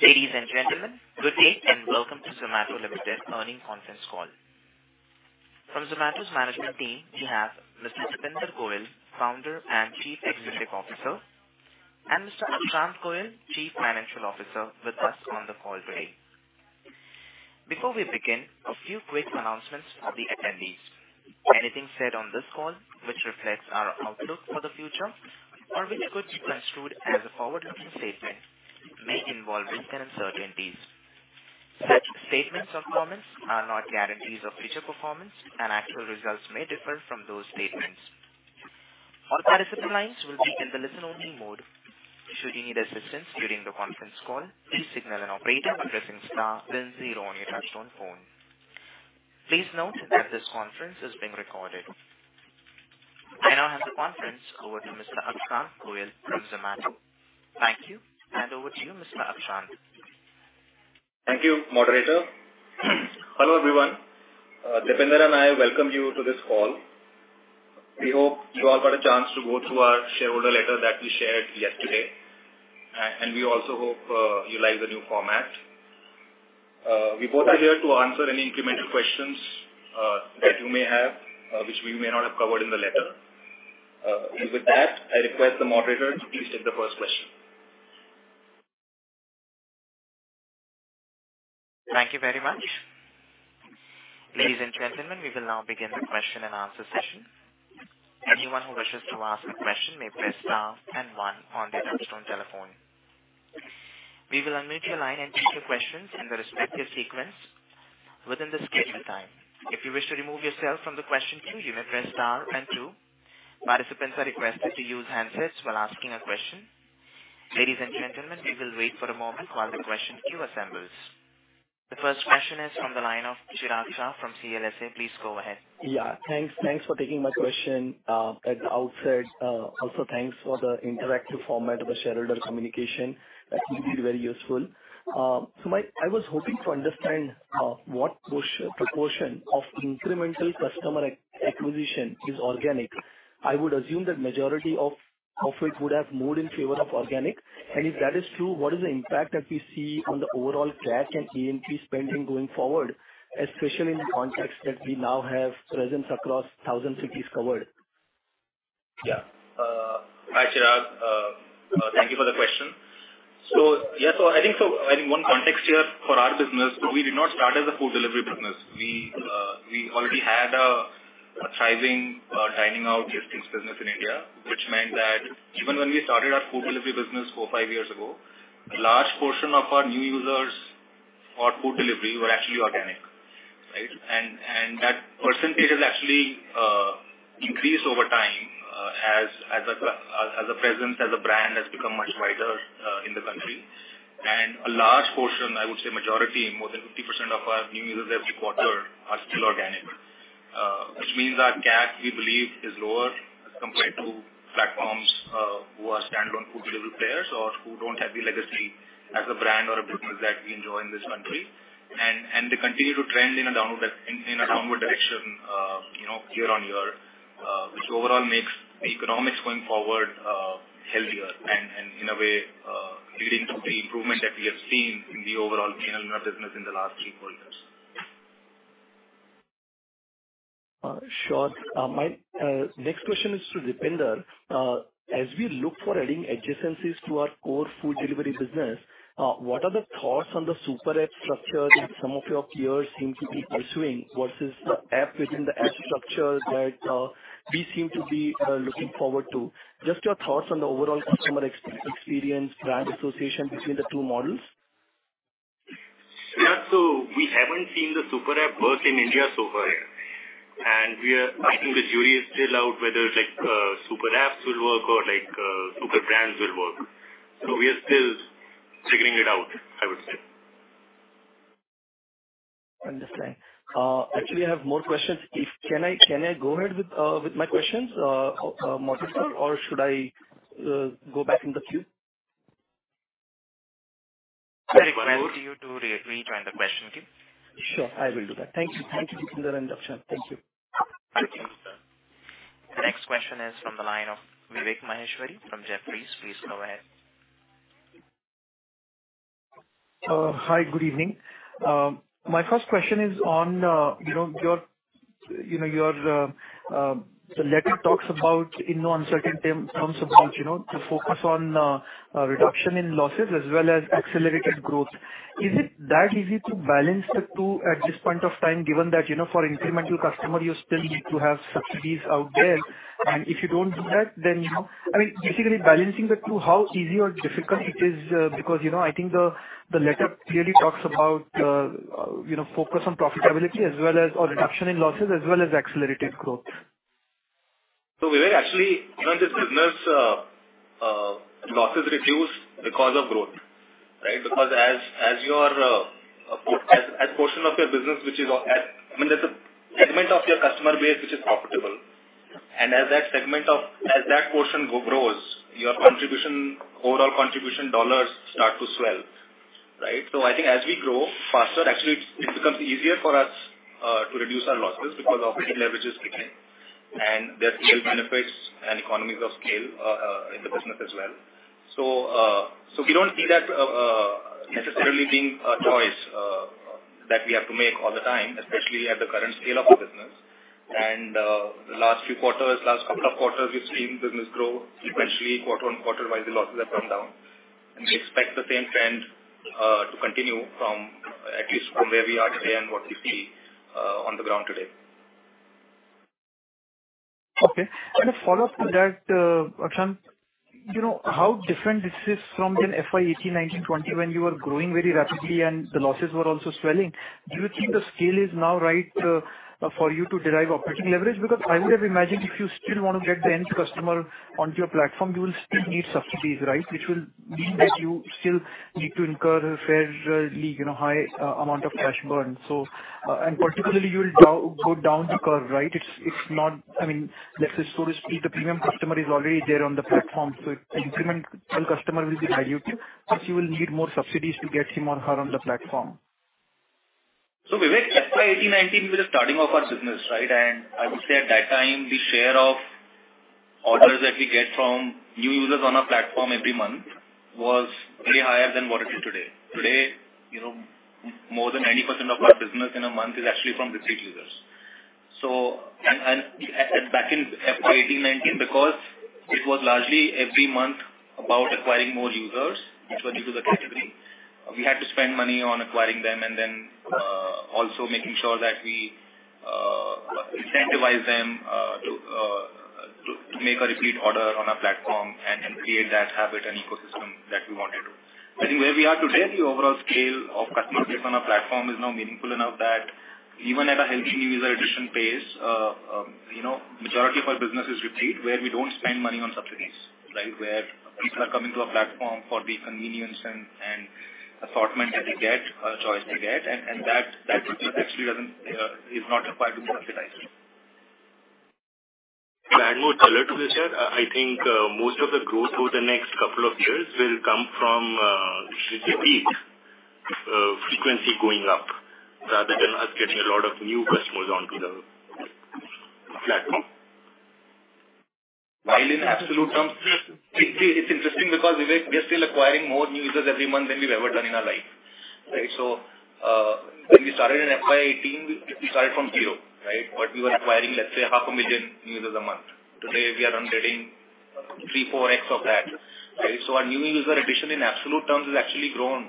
Ladies and gentlemen, good day and welcome to Zomato Limited Earnings Conference Call. From Zomato's management team, we have Mr. Deepinder Goyal, Founder and Chief Executive Officer, and Mr. Akshant Goyal, Chief Financial Officer, with us on the call today. Before we begin, a few quick announcements for the attendees. Anything said on this call which reflects our outlook for the future or which could be construed as a forward-looking statement may involve risks and uncertainties. Such statements or comments are not guarantees of future performance, and actual results may differ from those statements. All participant lines will be in the listen-only mode. Should you need assistance during the conference call, please signal an operator by pressing star then zero on your touch-tone phone. Please note that this conference is being recorded. I now hand the conference over to Mr. Akshant Goyal from Zomato. Thank you. And over to you, Mr. Akshant. Thank you, moderator. Hello, everyone. Deepinder and I welcome you to this call. We hope you all got a chance to go through our shareholder letter that we shared yesterday. We also hope you like the new format. We both are here to answer any incremental questions that you may have, which we may not have covered in the letter. With that, I request the moderator to please take the first question. Thank you very much. Ladies and gentlemen, we will now begin the question-and-answer session. Anyone who wishes to ask a question may press star and one on their touch-tone telephone. We will unmute your line and take your questions in the respective sequence within the scheduled time. If you wish to remove yourself from the question queue, you may press star and two. Participants are requested to use handsets while asking a question. Ladies and gentlemen, we will wait for a moment while the question queue assembles. The first question is from the line of Chirag Shah from CLSA. Please go ahead. Yeah, thanks. Thanks for taking my question at the outset. Also thanks for the interactive format of the shareholder communication. That will be very useful. I was hoping to understand what proportion of incremental customer acquisition is organic. I would assume that majority of it would have moved in favor of organic. If that is true, what is the impact that we see on the overall CAC and A&P spending going forward, especially in the context that we now have presence across 1,000 cities covered? Yeah. Hi, Chirag. Thank you for the question. I think one context here for our business, we did not start as a food delivery business. We already had a thriving dining out listings business in India, which meant that even when we started our food delivery business four or five years ago, a large portion of our new users for food delivery were actually organic, right? That percentage has actually increased over time, as a presence as a brand has become much wider in the country. A large portion, I would say majority, more than 50% of our new users every quarter are still organic, which means our CAC, we believe, is lower as compared to platforms who are standalone food delivery players or who don't have the legacy as a brand or a business that we enjoy in this country. They continue to trend in a downward direction, you know, year-on-year, which overall makes the economics going forward healthier and in a way leading to the improvement that we have seen in the overall P&L of our business in the last three, four years. Sure. My next question is to Deepinder. As we look for adding adjacencies to our core food delivery business, what are the thoughts on the super app structure that some of your peers seem to be pursuing versus the app within the app structure that we seem to be looking forward to? Just your thoughts on the overall customer experience, brand association between the two models. Chirag, we haven't seen the super app burst in India so far yet. I think the jury is still out whether like super apps will work or like super brands will work. We are still figuring it out, I would say. Understand. Actually I have more questions. Can I go ahead with my questions, moderator? Or should I go back in the queue? I recommend you to re-join the question queue. Sure, I will do that. Thank you. Thank you, Deepinder and Akshant. Thank you. Okay. The next question is from the line of Vivek Maheshwari from Jefferies. Please go ahead. Hi, good evening. My first question is on, you know, your, you know, your, the letter talks about, you know, uncertain terms about, you know, to focus on reduction in losses as well as accelerated growth. Is it that easy to balance the two at this point of time, given that, you know, for incremental customer you still need to have subsidies out there? If you don't do that, then, you know, I mean, basically balancing the two, how easy or difficult it is, because, you know, I think the letter clearly talks about, you know, focus on profitability as well as, or reduction in losses as well as accelerated growth. We were actually you know this business losses reduce because of growth right? Because as your portion of your business I mean there's a segment of your customer base which is profitable. As that portion grows your contribution overall contribution dollars start to swell right? I think as we grow faster actually it becomes easier for us to reduce our losses because operating leverage is kicking in. There are scale benefits and economies of scale in the business as well. We don't see that necessarily being a choice that we have to make all the time especially at the current scale of our business. The last few quarters, last couple of quarters, we've seen business grow sequentially, quarter-on-quarter while the losses have come down. We expect the same trend to continue from at least where we are today and what we see on the ground today. Okay. A follow-up to that, Akshant, you know, how different this is from an FY 2018, 2019, 2020 when you were growing very rapidly and the losses were also swelling. Do you think the scale is now right, for you to derive operating leverage? Because I would have imagined if you still want to get the end customer onto your platform, you will still need subsidies, right? Which will mean that you still need to incur a fairly, you know, high, amount of cash burn. Particularly, you'll go down the curve, right? I mean, let's say so to speak, the premium customer is already there on the platform, so incremental customer will be value too, but you will need more subsidies to get him or her on the platform. Vivek, FY 2018-2019, we were starting off our business, right? I would say at that time, the share of orders that we get from new users on our platform every month was way higher than what it is today. Today, you know, more than 90% of our business in a month is actually from repeat users. Back in FY 2018-2019, because it was largely every month about acquiring more users, which was due to the category, we had to spend money on acquiring them and then also making sure that we incentivize them to make a repeat order on our platform and create that habit and ecosystem that we wanted. I think where we are today, the overall scale of customers based on our platform is now meaningful enough that even at a healthy new user addition pace, you know, majority of our business is repeat, where we don't spend money on subsidies, right? Where people are coming to our platform for the convenience and assortment that they get, choice they get, and that business actually is not required to be subsidized. To add more color to this here, I think most of the growth over the next couple of years will come from repeat frequency going up rather than us getting a lot of new customers onto the platform. While in absolute terms, it's interesting because we're still acquiring more new users every month than we've ever done in our life, right? When we started in FY 2018, we started from zero, right? We were acquiring, let's say 500,000 new users a month. Today, we are onboarding 3x-4x of that, right? Our new user addition in absolute terms has actually grown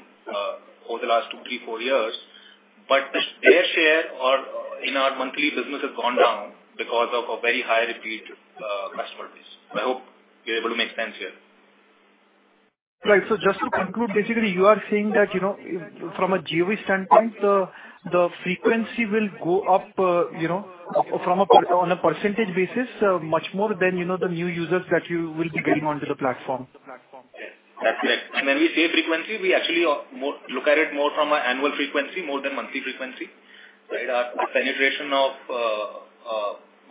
over the last two, three, four years. Their share of our monthly business has gone down because of a very high repeat customer base. I hope you're able to make sense here. Right. Just to conclude, basically, you are saying that, you know, from a GOV standpoint, the frequency will go up, you know, from a on a percentage basis, much more than, you know, the new users that you will be getting onto the platform. Yes, that's right. When we say frequency, we look at it more from an annual frequency, more than monthly frequency, right? Our penetration of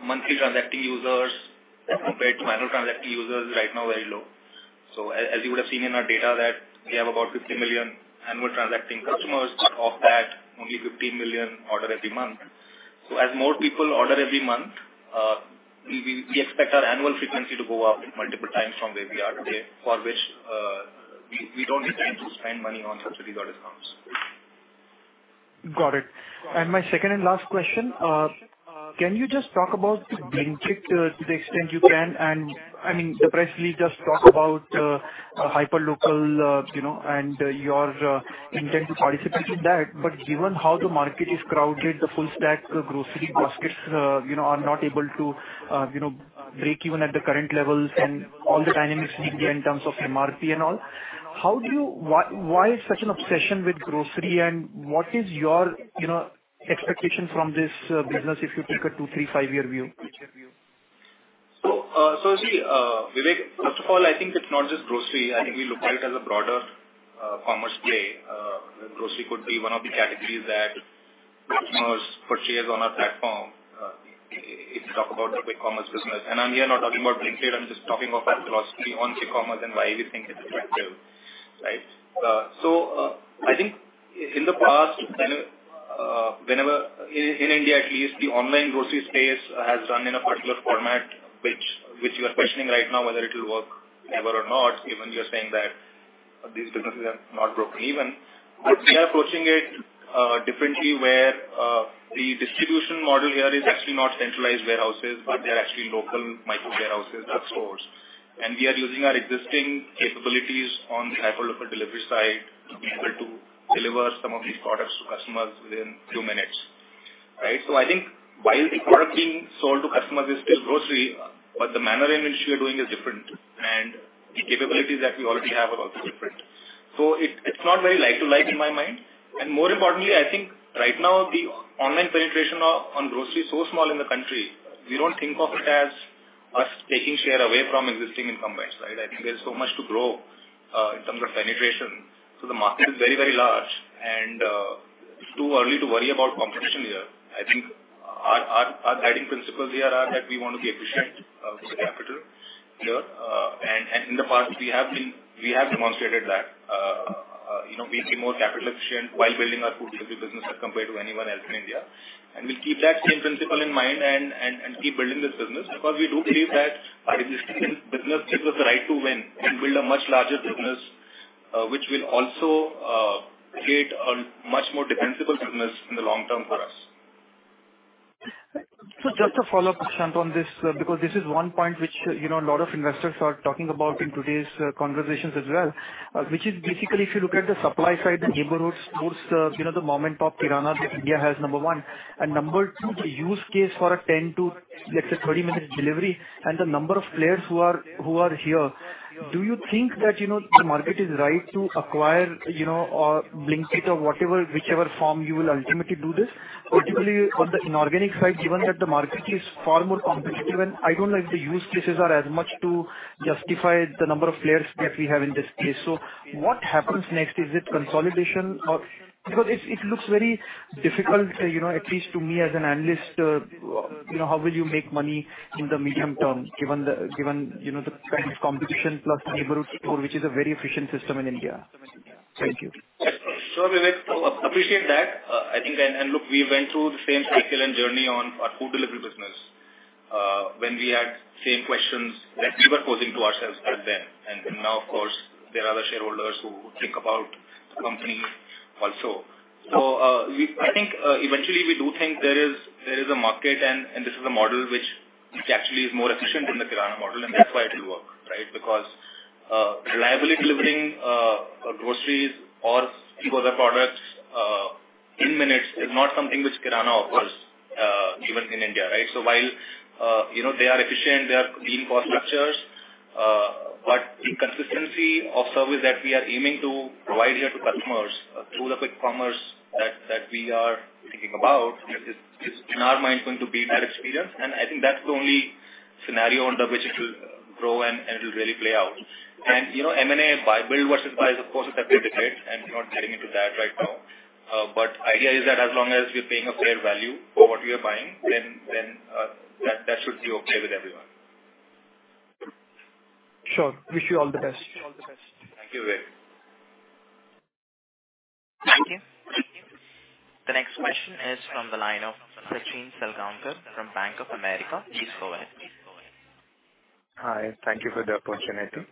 monthly transacting users compared to annual transacting users is right now very low. As you would have seen in our data that we have about 50 million annual transacting customers, of that only 15 million order every month. As more people order every month, we expect our annual frequency to go up multiple times from where we are today, for which, we don't need to spend money on subsidies or discounts. Got it. My second and last question, can you just talk about Blinkit to the extent you can? I mean, the press release does talk about hyperlocal, you know, and your intent to participate in that. Given how the market is crowded, the full stack grocery baskets, you know, are not able to, you know, break even at the current levels and all the dynamics need be in terms of MRP and all. Why such an obsession with grocery and what is your, you know, expectation from this business, if you take a two, three, five-year view? Vivek, first of all, I think it's not just grocery. I think we look at it as a broader commerce play. Grocery could be one of the categories that customers purchase on our platform, if you talk about the Quick Commerce business. I'm here not talking about Blinkit. I'm just talking of our philosophy on quick commerce and why we think it's effective, right? I think in the past, whenever in India at least, the online grocery space has run in a particular format which you are questioning right now whether it will work ever or not, even you're saying that these businesses have not broken even. We are approaching it differently, where the distribution model here is actually not centralized warehouses, but they're actually local micro warehouses or stores. We are using our existing capabilities on the hyperlocal delivery side to be able to deliver some of these products to customers within two minutes, right? I think while the product being sold to customers is still grocery, but the manner in which we are doing is different, and the capabilities that we already have are also different. It's not very like to like in my mind. More importantly, I think right now the online penetration on grocery is so small in the country, we don't think of it as us taking share away from existing incumbents, right? I think there's so much to grow in terms of penetration. The market is very, very large and it's too early to worry about competition here. I think our guiding principles here are that we want to be efficient. Sure. In the past, we have demonstrated that, you know, we'll be more capital efficient while building our food delivery business as compared to anyone else in India. We'll keep that same principle in mind and keep building this business because we do believe that our existing business gives us the right to win and build a much larger business, which will also create a much more defensible business in the long term for us. Just a follow-up, Akshant, on this, because this is one point which, you know, a lot of investors are talking about in today's conversations as well, which is basically if you look at the supply side, the neighborhood stores, you know, the mom-and-pop kiranas that India has, number one. Number two, the use case for a 10- to 30-minute delivery and the number of players who are here, do you think that, you know, the market is right to acquire, you know, or Blinkit or whatever, whichever form you will ultimately do this? Particularly on the inorganic side, given that the market is far more competitive, and I don't know if the use cases are as much to justify the number of players that we have in this case. What happens next? Is it consolidation or? Because it looks very difficult, you know, at least to me as an analyst, you know, how will you make money in the medium term, given you know, the kind of competition plus the neighborhood store, which is a very efficient system in India. Thank you. Sure, Vivek. Appreciate that. I think and look, we went through the same cycle and journey on our food delivery business, when we had same questions that we were posing to ourselves back then. Now, of course, there are other shareholders who think about the company also. I think, eventually we do think there is a market and this is a model which actually is more efficient than the kirana model, and that's why it will work, right? Because, reliably delivering, groceries or few other products, in minutes is not something which kirana offers, even in India, right? While, you know, they are efficient, they have lean cost structures, but the consistency of service that we are aiming to provide here to customers through the Quick Commerce that we are thinking about is in our mind going to be that experience. I think that's the only scenario under which it'll grow and it'll really play out. You know, M&A buy-build versus buy is, of course, a separate debate, and I'm not getting into that right now. But idea is that as long as we're paying a fair value for what we are buying, then that should be okay with everyone. Sure. Wish you all the best. Thank you, Vivek. Thank you. The next question is from the line of Sachin Salgaonkar from Bank of America. Please go ahead. Hi, thank you for the opportunity.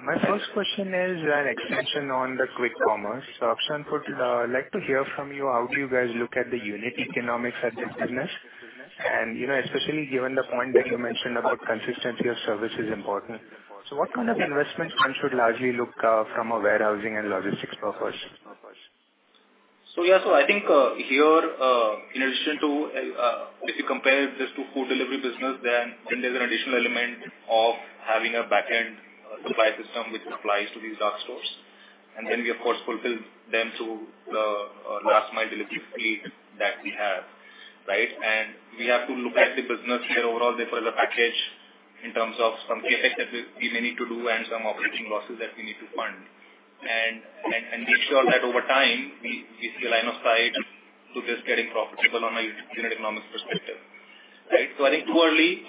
My first question is an extension on the Quick Commerce. Akshant, would like to hear from you how do you guys look at the unit economics of this business? You know, especially given the point that you mentioned about consistency of service is important. What kind of investments one should largely look for from a warehousing and logistics perspective? Yeah. I think here, in addition to, if you compare this to food delivery business, then there's an additional element of having a backend supply system which supplies to these dark stores. Then we of course fulfill them through the last mile delivery fleet that we have, right? We have to look at the business here overall, therefore, the package in terms of some CapEx that we may need to do and some operating losses that we need to fund. Ensure that over time we see a line of sight to this getting profitable on a unit economics perspective. Right? I think too early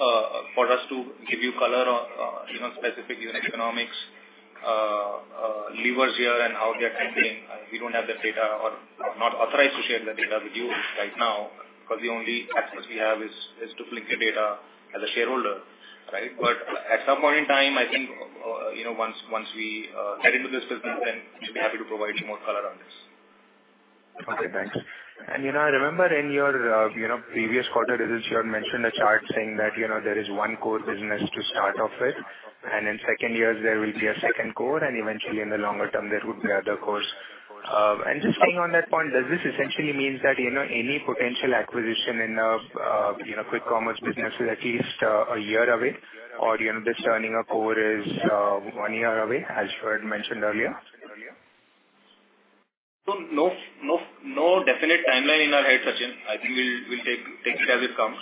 for us to give you color on, you know, specific unit economics levers here and how they are trending. We don't have that data or not authorized to share that data with you right now because the only access we have is to Blinkit data as a shareholder, right? At some point in time, I think, you know, once we get into this business, then should be happy to provide you more color on this. Okay, thanks. You know, I remember in your previous quarter results you had mentioned a chart saying that, you know, there is one core business to start off with, and in second years there will be a second core, and eventually in the longer term, there would be other cores. Just staying on that point, does this essentially means that, you know, any potential acquisition in Quick Commerce business is at least a year away or, you know, this turning a core is one year away, as you had mentioned earlier? No definite timeline in our head, Sachin. I think we'll take it as it comes.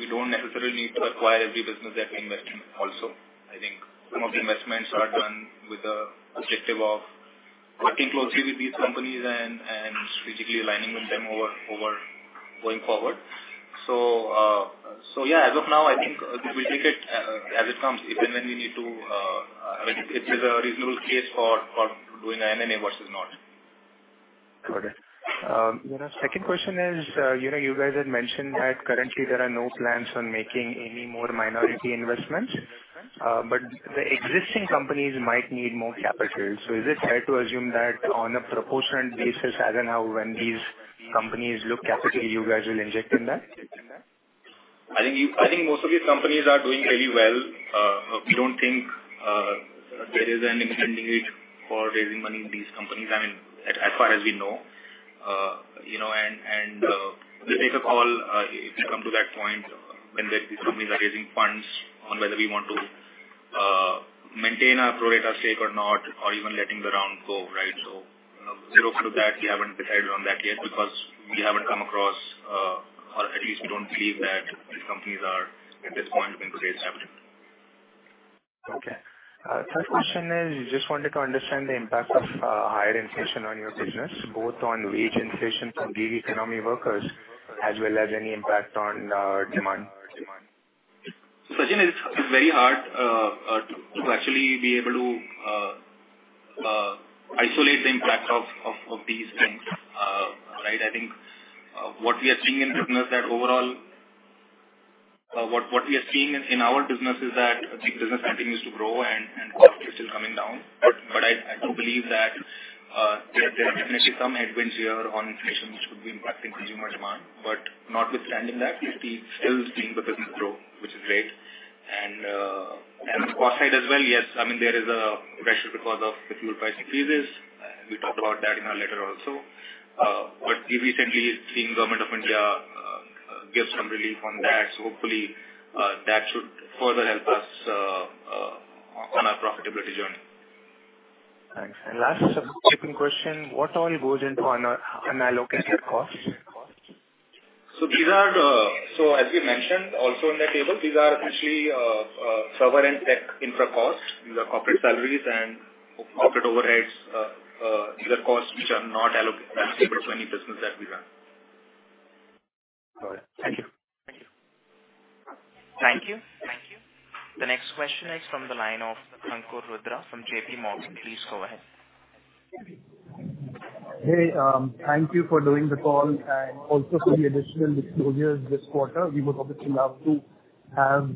We don't necessarily need to acquire every business that we invest in also. I think some of the investments are done with the objective of working closely with these companies and strategically aligning with them over going forward. As of now, I think we'll take it as it comes if and when we need to, if there's a reasonable case for doing an M&A versus not. Got it. You know, second question is, you know, you guys had mentioned that currently there are no plans on making any more minority investments, but the existing companies might need more capital. Is it fair to assume that on a proportionate basis as and when these companies look for capital, you guys will inject in that? I think most of these companies are doing really well. We don't think there is an immediate need for raising money in these companies. I mean, as far as we know. You know, we'll take a call if we come to that point when these companies are raising funds on whether we want to maintain our pro rata stake or not or even letting the round go, right? You know, up to that, we haven't decided on that yet because we haven't come across or at least we don't believe that these companies are at this point looking to raise capital. Okay. Third question is, just wanted to understand the impact of higher inflation on your business, both on wage inflation from gig economy workers, as well as any impact on demand? Sachin, it's very hard to actually be able to isolate the impact of these things. Right? I think what we are seeing in our business is that the business continues to grow and costs are still coming down. I do believe that there are definitely some headwinds here on inflation, which could be impacting consumer demand. Notwithstanding that, we still seeing the business grow, which is great. On the cost side as well, yes, I mean there is a pressure because of the fuel price increases. We talked about that in our letter also. We've recently seen government of India give some relief on that. Hopefully, that should further help us on our profitability journey. Thanks. Last question, what all goes into unallocated costs? As we mentioned also in the table, these are actually server and tech infra costs. These are corporate salaries and corporate overheads. These are costs which are not allocatable to any business that we run. All right. Thank you. Thank you. The next question is from the line of Ankur Rudra from JPMorgan. Please go ahead. Hey, thank you for doing the call and also for the additional disclosures this quarter. We would obviously love to have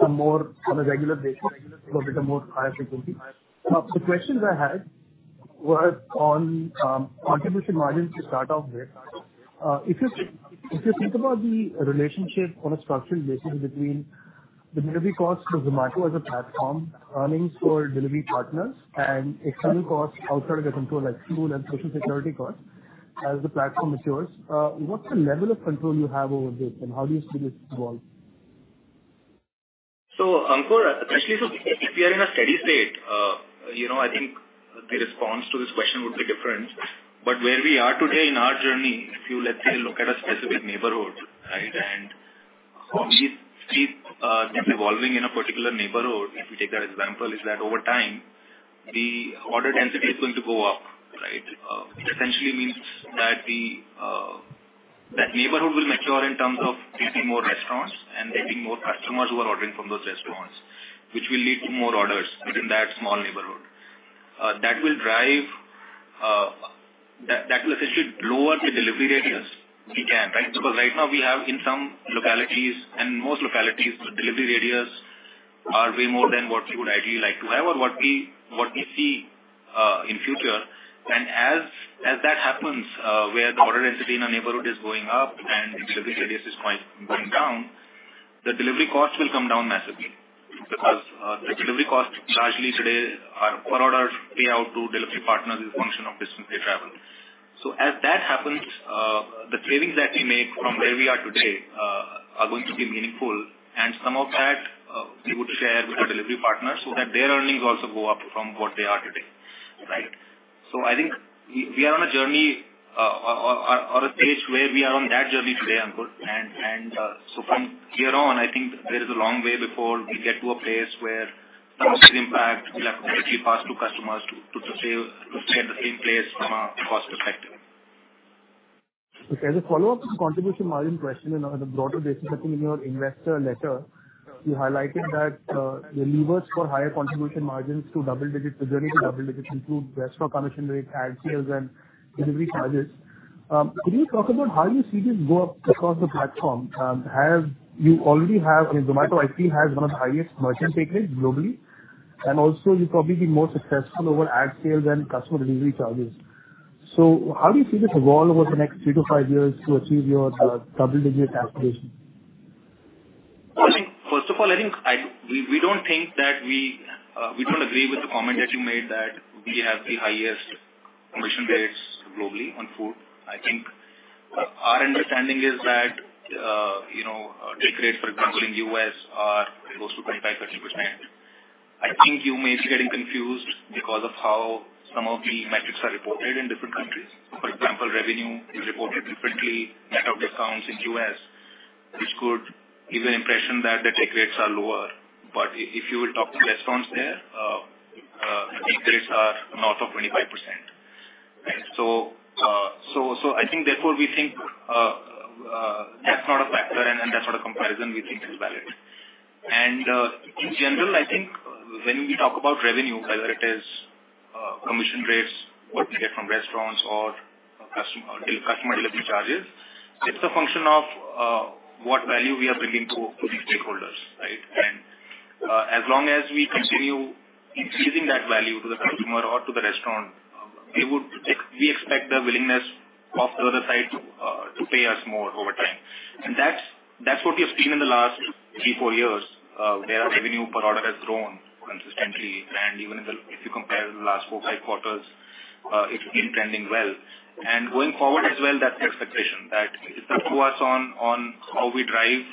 some more on a regular basis, little bit of more higher frequency. The questions I had were on, contribution margins to start off with. If you think about the relationship on a structural basis between the delivery costs for Zomato as a platform, earnings for delivery partners and external costs outside of their control like food and social security costs as the platform matures, what's the level of control you have over this and how do you see this evolve? Ankur, especially so if we are in a steady state, you know, I think the response to this question would be different. Where we are today in our journey, if you let's say look at a specific neighborhood, right? We see things evolving in a particular neighborhood, if we take that example, is that over time the order density is going to go up, right? That will essentially means that the that neighborhood will mature in terms of getting more restaurants and getting more customers who are ordering from those restaurants, which will lead to more orders within that small neighborhood. That will drive that will essentially lower the delivery radius we can, right? Because right now we have in some localities and most localities, the delivery radius are way more than what we would ideally like to have or what we see in future. As that happens, where the order density in a neighborhood is going up and delivery radius is going down, the delivery costs will come down massively. Because the delivery costs largely today are per order pay out to delivery partners is a function of distance they travel. As that happens, the savings that we make from where we are today are going to be meaningful and some of that we would share with the delivery partners so that their earnings also go up from what they are today. Right. I think we are on a journey or a stage where we are on that journey today, Ankur. From here on I think there is a long way before we get to a place where some of the impact we'll have to actually pass to customers to sustain, to stay in the same place from a cost perspective. Okay. As a follow-up to the contribution margin question and on a broader basis, I think in your investor letter you highlighted that, the levers for higher contribution margins to double digits, the journey to double digits include restaurant commission rates, ad sales and delivery charges. Can you talk about how you see this go up across the platform? You already have, I mean, Zomato I see has one of the highest merchant take rates globally, and also you're probably the most successful over ad sales and customer delivery charges. How do you see this evolve over the next three to five years to achieve your double-digit aspirations? I think first of all, we don't agree with the comment that you made that we have the highest commission rates globally on food. I think our understanding is that, you know, take rates for example in U.S. are close to 25%-30%. I think you may be getting confused because of how some of the metrics are reported in different countries. For example, revenue is reported differently, net of discounts in U.S., which could give an impression that the take rates are lower. If you would talk to restaurants there, take rates are north of 25%. Right. I think therefore we think, that's not a factor and that's not a comparison we think is valid. In general, I think when we talk about revenue, whether it is, commission rates, what we get from restaurants or customer delivery charges, it's a function of, what value we are bringing to the stakeholders, right? As long as we continue increasing that value to the customer or to the restaurant, we expect the willingness of the other side to pay us more over time. That's what we have seen in the last three, four years, where our revenue per order has grown consistently. Even if you compare the last four, five quarters, it's been trending well. Going forward as well, that's the expectation that it's up to us on how we drive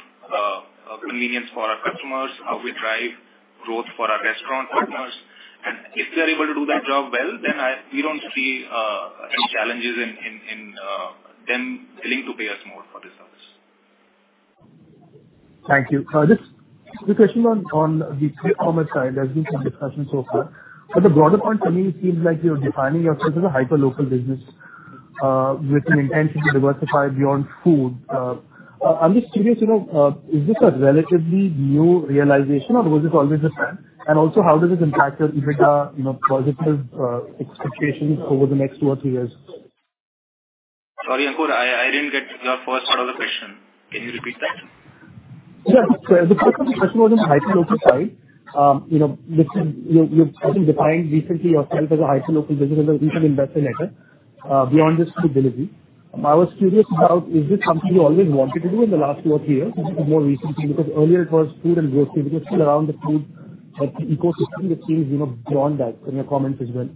convenience for our customers, how we drive growth for our restaurant partners. If we are able to do that job well, then I, we don't see any challenges in them willing to pay us more for the service. Thank you. Just two questions on the Quick Commerce side. There's been some discussion so far. The broader point for me, it seems like you're defining yourself as a hyperlocal business with an intent to diversify beyond food. I'm just curious, you know, is this a relatively new realization or was it always the plan? And also how does it impact your EBITDA, you know, positive expectations over the next two or three years? Sorry, Ankur, I didn't get your first part of the question. Can you repeat that? Yeah. The first part of the question was on the hyperlocal side. You know, which is you've sort of defined recently yourself as a hyperlocal business in the recent investor letter, beyond just food delivery. I was curious about is this something you always wanted to do in the last two or three years or is it more recently? Because earlier it was food and grocery, but you're still around the food like ecosystem, it seems, you know, beyond that from your comments as well.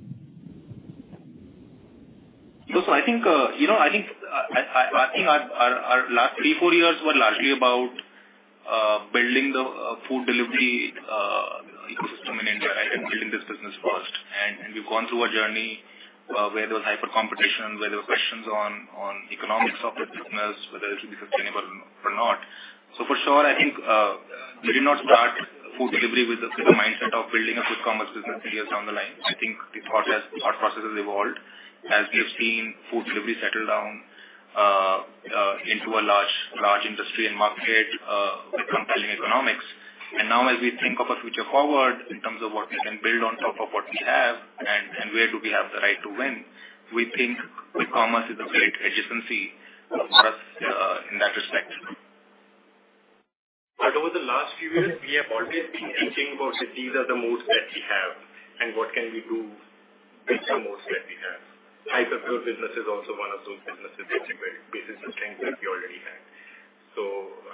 I think you know I think our last three, four years were largely about building the food delivery ecosystem in India, right? Building this business first. We've gone through a journey where there was hyper competition, where there were questions on economics of the business, whether it will be sustainable or not. For sure, I think we did not start food delivery with the sort of mindset of building a food commerce business three years down the line. I think the process, our process has evolved as we have seen food delivery settle down into a large industry and market with compelling economics. Now as we think of a future forward in terms of what we can build on top of what we have and where do we have the right to win, we think quick commerce is a great adjacency for us, in that respect. Over the last few years, we have always been thinking about that these are the moats that we have and what can we do with the moats that we have. Hyperpure business is also one of those businesses which is very. This is the strength that we already have.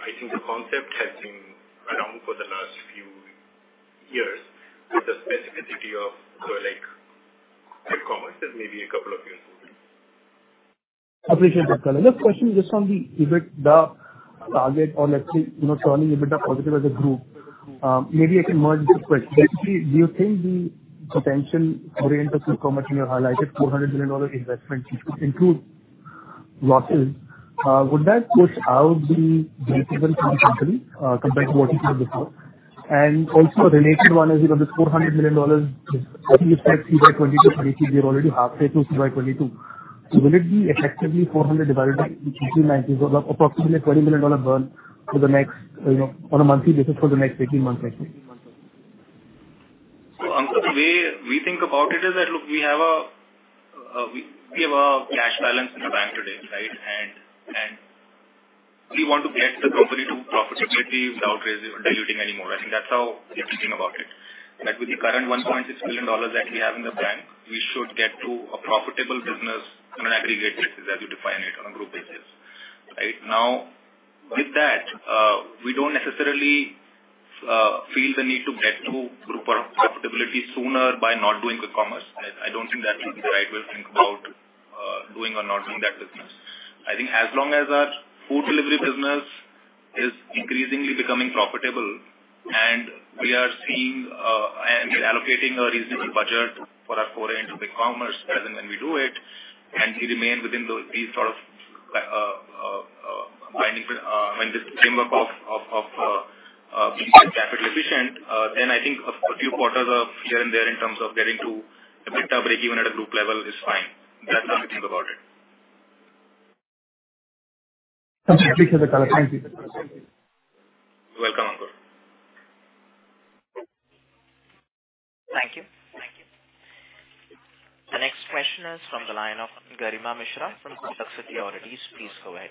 I think the concept has been around for the last few years with the specificity of sort of like quick commerce that may be a couple of years old. Appreciate that, Deepinder. Just a question on the EBITDA target or let's say, you know, turning EBITDA positive as a group. Maybe I can merge the two questions. Do you think the potential for the interest of how much you have highlighted $400 million investment, which could include losses, would that push out the breakeven for the company, compared to what you said before? Also a related one is, you know, this $400 million is spread FY 2022, 2023. We are already halfway through FY 2022. So will it be effectively 400 divided by 18, 19, so approximately a $20 million burn for the next, you know, on a monthly basis for the next 18 months actually? Ankur, the way we think about it is that, look, we have a cash balance in the bank today, right? We want to get the company to profitability without raising or diluting any more. I think that's how we are thinking about it. Like, with the current $1.6 billion that we have in the bank, we should get to a profitable business on an aggregate basis as you define it on a group basis, right? Now, with that, we don't necessarily feel the need to get to group or profitability sooner by not doing quick commerce. I don't think that's the right way to think about doing or not doing that business. I think as long as our food delivery business is increasingly becoming profitable and we are seeing and allocating a reasonable budget for our foray into quick commerce as and when we do it, and we remain within these sort of binding, I mean, this framework of being capital efficient, then I think a few quarters here and there in terms of getting to EBITDA breakeven at a group level is fine. That's how we think about it. Okay. Appreciate that, Akshant. Thank you. You're welcome, Ankur. Thank you. The next question is from the line of Garima Mishra from Kotak Securities. Please go ahead.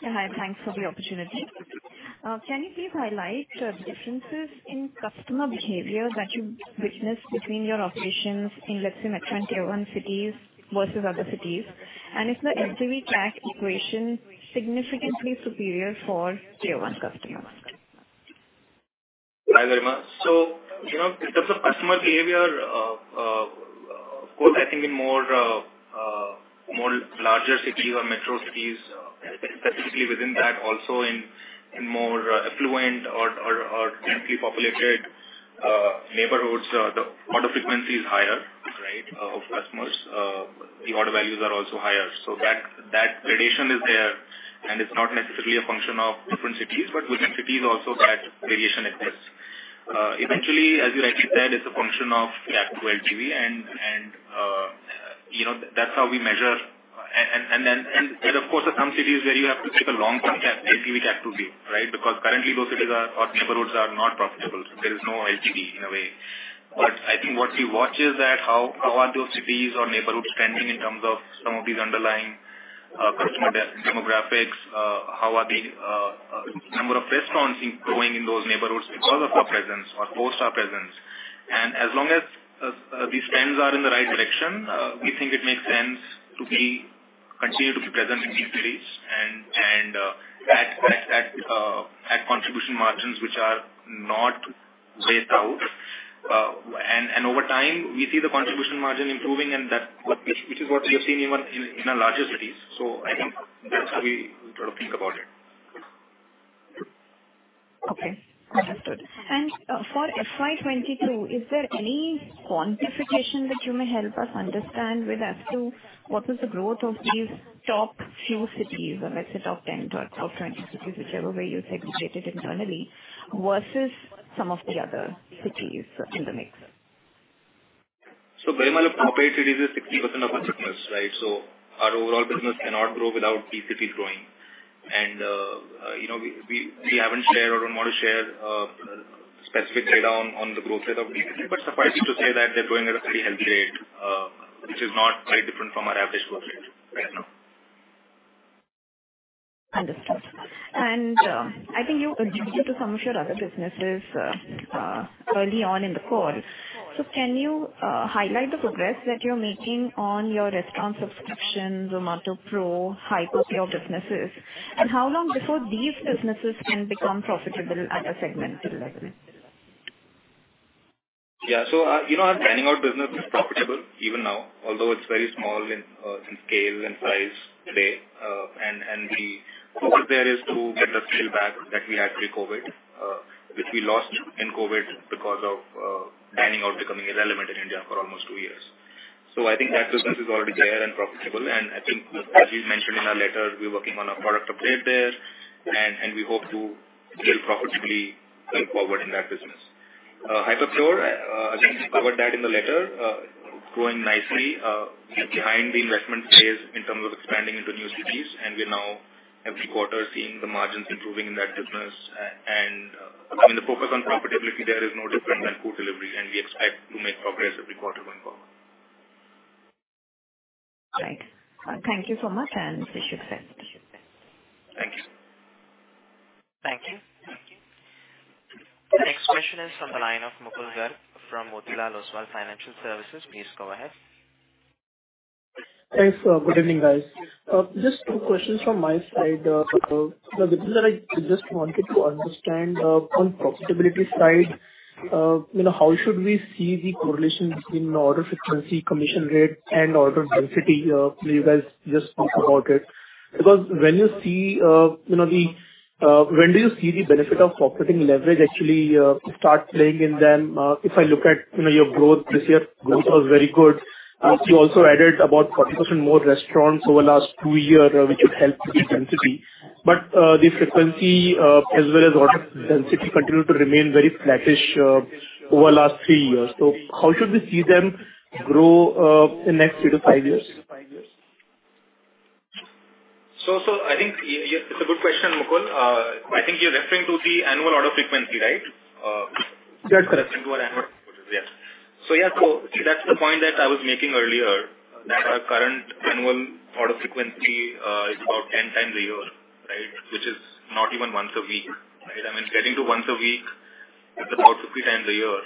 Yeah. Hi. Thanks for the opportunity. Can you please highlight differences in customer behavior that you've witnessed between your operations in, let's say, metro and Tier 1 cities versus other cities? Is the LTV-CAC equation significantly superior for tier one customers? Hi, Garima. You know, in terms of customer behavior, of course, I think in more larger cities or metro cities, specifically within that also in more affluent or densely populated neighborhoods, the order frequency is higher, right, of customers. The order values are also higher. That gradation is there, and it's not necessarily a function of different cities, but within cities also that gradation exists. Eventually, as you rightly said, it's a function of CAC to LTV, and you know, that's how we measure. There, of course, are some cities where you have to take a long-term CAC, LTV-CAC to view, right? Because currently those cities are, or neighborhoods are not profitable. There is no LTV in a way. I think what we watch is that how are those cities or neighborhoods trending in terms of some of these underlying customer demographics, how are the number of restaurants you know growing in those neighborhoods because of our presence or post our presence. As long as these trends are in the right direction, we think it makes sense to continue to be present in these cities and at contribution margins which are not paced out. Over time, we see the contribution margin improving and that. Which is what we have seen even in our larger cities. I think that's how we sort of think about it. Okay. Understood. For FY 2022, is there any quantification that you may help us understand with as to what is the growth of these top few cities, or let's say top 10 to top 20 cities, whichever way you segregate it internally, versus some of the other cities in the mix? By my top eight cities is 60% of our business, right? Our overall business cannot grow without these cities growing. You know, we haven't shared or don't want to share specific data on the growth rate of these cities, but suffice it to say that they're growing at a pretty healthy rate, which is not very different from our average growth rate right now. Understood. I think you alluded to some of your other businesses early on in the call. Can you highlight the progress that you're making on your restaurant subscriptions, Zomato Pro, Hyperpure businesses, and how long before these businesses can become profitable at a segmental level? Yeah, you know, our dining out business is profitable even now, although it's very small in scale and size today. The hope there is to get the share back that we had pre-COVID, which we lost in COVID because of dining out becoming irrelevant in India for almost two years. I think that business is already there and profitable, and I think as we've mentioned in our letter, we're working on a product update there and we hope to scale profitably going forward in that business. Hyperpure, again, covered that in the letter. Growing nicely, behind the investment phase in terms of expanding into new cities, and we're now every quarter seeing the margins improving in that business. I mean, the focus on profitability there is no different than food delivery, and we expect to make progress every quarter going forward. Right. Thank you so much, and wish you success. Thank you. Thank you. The next question is from the line of Mukul Garg from Motilal Oswal Financial Services. Please go ahead. Thanks. Good evening, guys. Just two questions from my side. Deepinder, I just wanted to understand, on profitability side, you know, how should we see the correlation between order frequency, commission rate, and order density? Can you guys just talk about it? Because when you see, you know, when do you see the benefit of operating leverage actually start playing in them? If I look at, you know, your growth this year, growth was very good. You also added about 40% more restaurants over last two years, which would help with the density. But the frequency, as well as order density continued to remain very flattish over last three years. How should we see them grow in next three to five years? I think, yeah, it's a good question, Mukul. I think you're referring to the annual order frequency, right? That's correct. Yeah, that's the point that I was making earlier, that our current annual order frequency is about 10x a year, right? Which is not even once a week, right? I mean, getting to once a week is about 3x a year.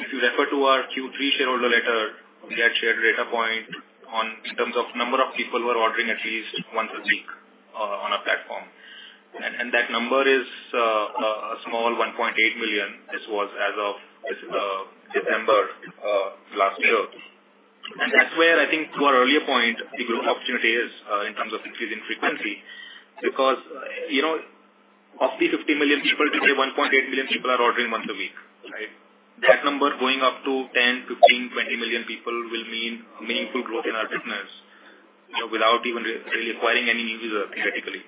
If you refer to our Q3 shareholder letter, we had shared a data point in terms of number of people who are ordering at least once a week on our platform. That number is a small 1.8 million. This was as of December last year. That's where I think to our earlier point, the growth opportunity is in terms of increasing frequency. Because you know of the 50 million people, today 1.8 million people are ordering once a week, right? That number going up to 10, 15, 20 million people will mean meaningful growth in our business, you know, without even really acquiring any new user theoretically.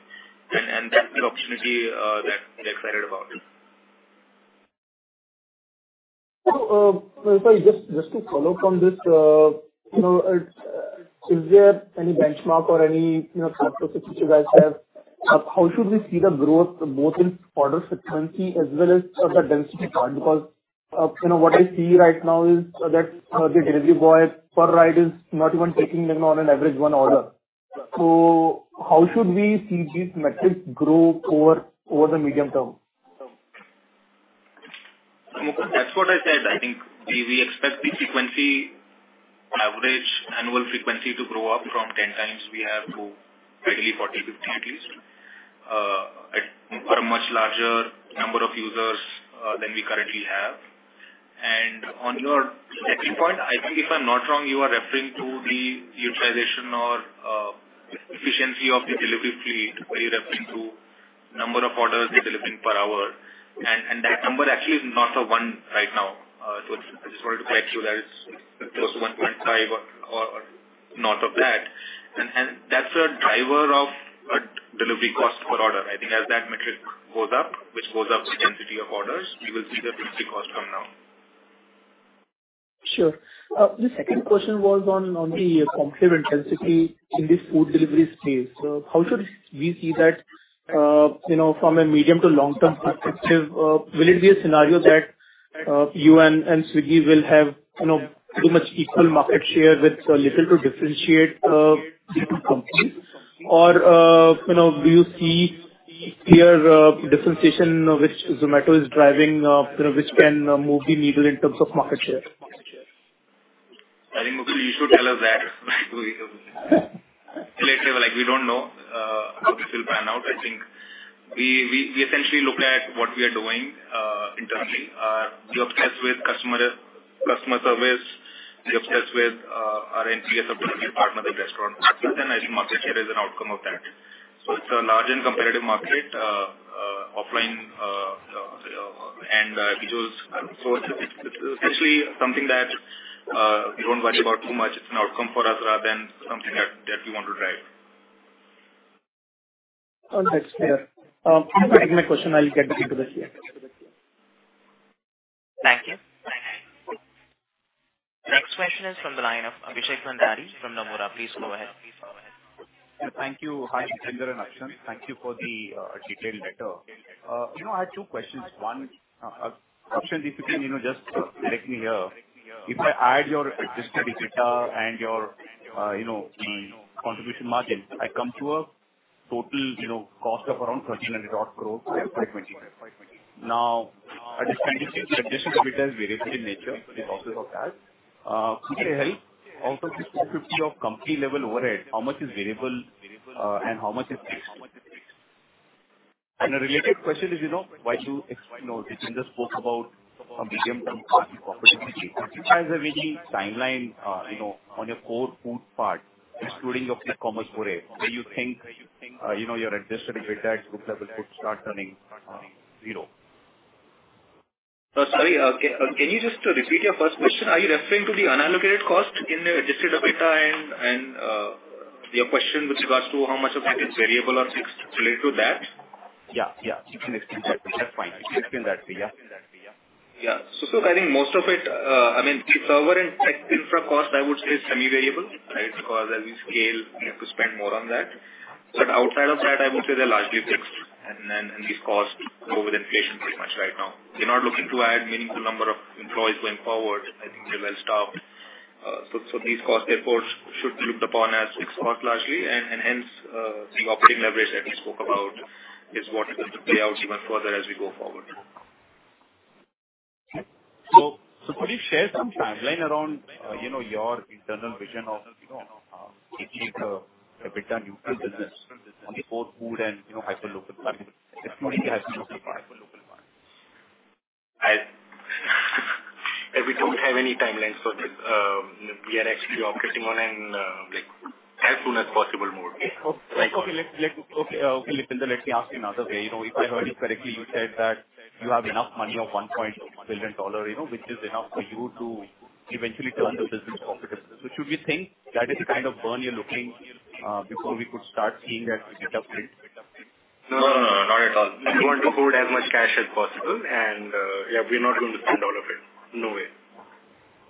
That's the opportunity that we're excited about. Sorry, just to follow from this, you know, is there any benchmark or any, you know, thoughts of which you guys have? How should we see the growth both in order frequency as well as the density part? Because, you know, what I see right now is that the delivery boy per ride is not even taking them on an average of one order. How should we see these metrics grow over the medium term? Mukul, that's what I said. I think we expect the frequency, average annual frequency to grow up from 10x we have to ideally 40x, 50x at least, for a much larger number of users than we currently have. On your second point, I think if I'm not wrong, you are referring to the utilization or efficiency of the delivery fleet, where you're referring to number of orders they're delivering per hour. That number actually is not a one right now. So I just wanted to correct you. That is close to 1.5 or north of that. That's a driver of a delivery cost per order. I think as that metric goes up, which goes up with density of orders, we will see the density cost come down. Sure. The second question was on the competitive intensity in this food delivery space. How should we see that, you know, from a medium to long term perspective? Will it be a scenario that you and Swiggy will have, you know, pretty much equal market share with little to differentiate different companies? You know, do you see clear differentiation which Zomato is driving, you know, which can move the needle in terms of market share? I think, Mukul, you should tell us that. Like, we don't know how this will pan out. I think we essentially look at what we are doing. Interesting. You're obsessed with customer service. You're obsessed with our NPS ability to partner with the restaurant. I think the market share is an outcome of that. It's a large and competitive market, offline, and because so it's essentially something that you don't worry about too much. It's an outcome for us rather than something that we want to drive. All that's clear. One more technical question, I'll get into the CX. Thank you. Next question is from the line of Abhishek Bhandari from Nomura. Please go ahead. Thank you. Hi, Deepinder and Akshant. Thank you for the detailed letter. You know, I had two questions. One, Akshant, if you can, you know, just correct me here. If I add your adjusted EBITDA and the contribution margin, I come to a total, you know, cost of around 1,300 crore for FY 2024. Now, understanding since the addition of EBITDA is variable in nature with opex and cash, could you help? Out of this 250 of company level overhead, how much is variable and how much is fixed? A related question is, you know, while you, Deepinder, spoke about a medium-term target profitability. Do you have a breakeven timeline, you know, on your core food part, excluding your commerce foray, where you think, you know, your adjusted EBITDA at group level could start turning zero? Can you just repeat your first question? Are you referring to the unallocated cost in the adjusted EBITDA, and your question with regards to how much of that is variable or fixed related to that? Yeah. You can explain that. That's fine. You can explain that, yeah. Yeah. I think most of it, I mean, the server and infra cost, I would say is semi-variable, right? Because as we scale, we have to spend more on that. Outside of that, I would say they're largely fixed, and then these costs go with inflation pretty much right now. We're not looking to add meaningful number of employees going forward. I think we're well-staffed. These costs therefore should be looked upon as fixed cost largely, and hence the operating leverage that we spoke about is what is going to play out even further as we go forward. Could you share some timeline around, you know, your internal vision of, you know, reaching a EBITDA neutral business on the core food and, you know, hyper local part, excluding the hyperlocal part? We don't have any timelines for this. We are actually operating on an, like, as soon as possible mode. Okay, Deepinder, let me ask you another way. You know, if I heard you correctly, you said that you have enough money of $1 billion, you know, which is enough for you to eventually turn the business profitable. Should we think that is the kind of burn you're looking before we could start seeing that EBITDA flip? No, no. Not at all. We want to hold as much cash as possible and we're not going to spend all of it. No way.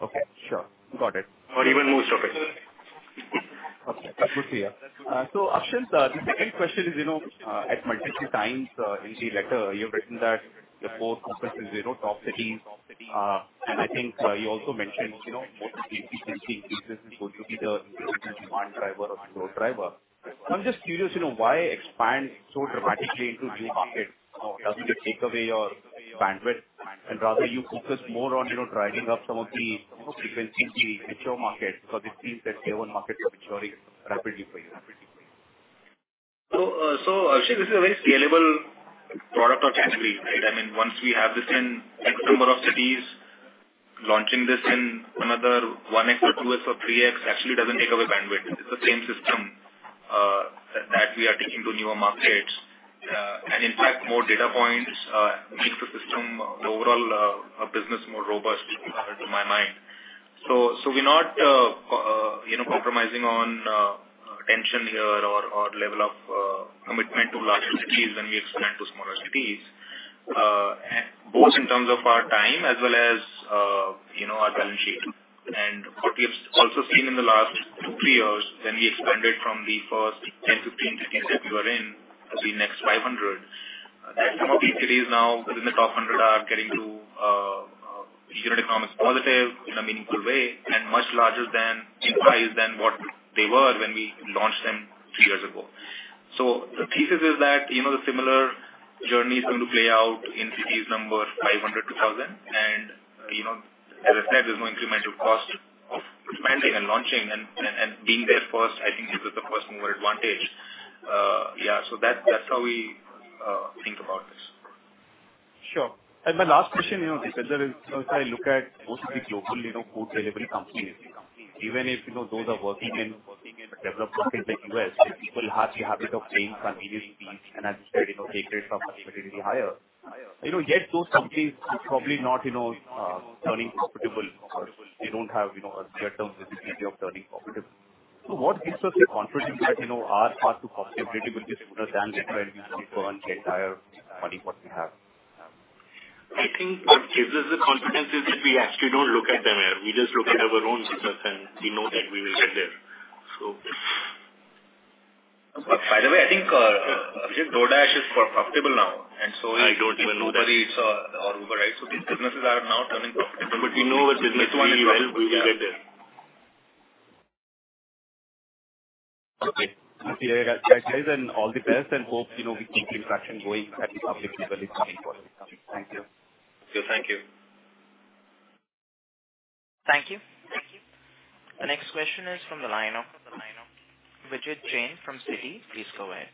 Okay. Sure. Got it. Even most of it. Okay. That's good to hear. Akshant, the second question is, you know, at multiple times, in the letter you have written that the core focus is, you know, top cities, and I think, you also mentioned, you know, more frequency increases is going to be the demand driver or growth driver. I'm just curious, you know, why expand so dramatically into new markets? Doesn't it take away your bandwidth? Rather you focus more on, you know, driving up some of the, you know, frequency in the mature markets because it seems that tier one markets are maturing rapidly for you. Actually this is a very scalable product or category, right? I mean, once we have this in X number of cities, launching this in another 1x or 2x or 3x actually doesn't take away bandwidth. It's the same system, that we are taking to newer markets. And in fact, more data points makes the system overall, our business more robust, to my mind. We're not, you know, compromising on, attention here or level of, commitment to larger cities when we expand to smaller cities. And both in terms of our time as well as, you know, our balance sheet. What we have also seen in the last two to three years, when we expanded from the first 10, 15 cities that we were in to the next 500, some of these cities now within the top 100 are getting to unit economics positive in a meaningful way and much larger in price than what they were when we launched them two years ago. The thesis is that, you know, the similar journey is going to play out in cities number 500 to 1,000. You know, as I said, there's no incremental cost of expanding and launching and being there first. I think this is the first mover advantage. That's how we think about this. Sure. My last question, you know, Deepinder, is if I look at most of the global, you know, food delivery companies, even if, you know, those are working in developed markets like U.S., people have the habit of paying convenience fees and as you said, you know, take rates are considerably higher. You know, yet those companies are probably not, you know, turning profitable, or they don't have, you know, a clear term visibility of turning profitable. What gives us the confidence that, you know, our path to profitability will be smoother than trying to burn the entire money what we have? I think what gives us the confidence is that we actually don't look at them here. We just look at our own business and we know that we will get there. By the way, I think, Abhishek, DoorDash is profitable now, and so. I don't know DoorDash. Uber Eats or Uber, right? These businesses are now turning profitable. We know our business really well. We will get there. Okay. I see. Guys and all the best and hope, you know, we keep interaction going as the public level is coming forward. Thank you. Sure. Thank you. Question is from the line of Vijit Jain from Citi. Please go ahead.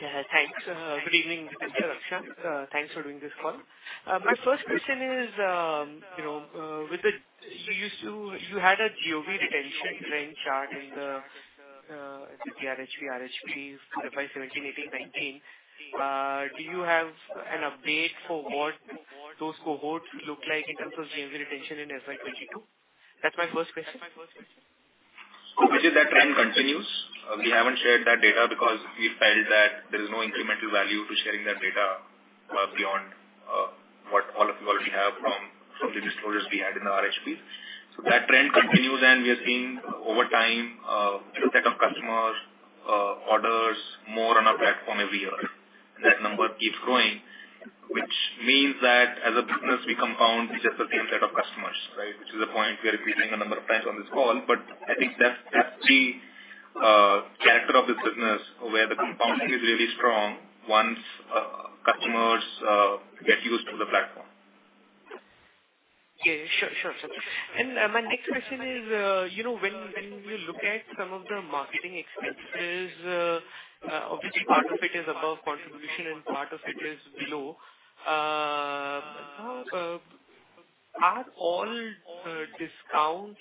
Yeah. Thanks. Good evening. Thanks for doing this call. My first question is, you know, you had a GOV retention trend chart in the RHP for FY 2017, 2018, 2019. Do you have an update for what those cohorts look like in terms of GOV retention in FY 2022? That's my first question. Vijit, that trend continues. We haven't shared that data because we felt that there is no incremental value to sharing that data, beyond what all of you already have from the disclosures we had in the RHPs. That trend continues, and we are seeing over time, new set of customers, orders more on our platform every year. That number keeps growing, which means that as a business we compound with just the same set of customers, right? Which is a point we are repeating a number of times on this call. I think that's the character of this business where the compounding is really strong once, customers get used to the platform. Yeah, sure. My next question is, you know, when we look at some of the marketing expenses, obviously part of it is above contribution and part of it is below. Are all discounts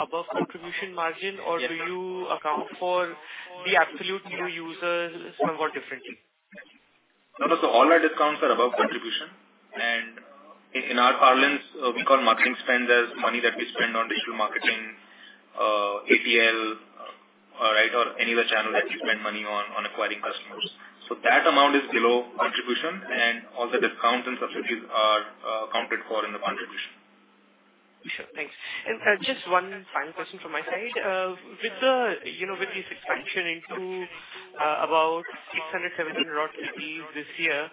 above contribution margin? Yeah. Do you account for the absolute new users somewhat differently? No. All our discounts are above contribution. In our parlance, we call marketing spend as money that we spend on digital marketing, ATL, right, or any other channel that we spend money on acquiring customers. That amount is below contribution, and all the discounts and subsidies are accounted for in the contribution. Sure. Thanks. Just one final question from my side. With this expansion into about 600, 700-odd cities this year,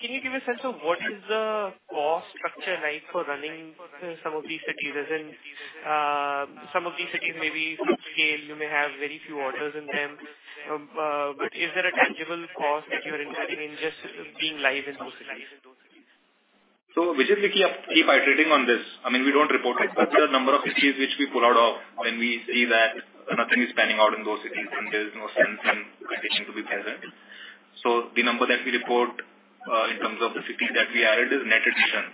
can you give a sense of what is the cost structure like for running some of these cities? As in, some of these cities may be small scale, you may have very few orders in them, but is there a tangible cost that you're incurring in just being live in those cities? Vijit, we keep iterating on this. I mean, we don't report it, but the number of cities which we pull out of when we see that nothing is panning out in those cities and there's no sense in continuing to be present. The number that we report in terms of the cities that we added is net addition,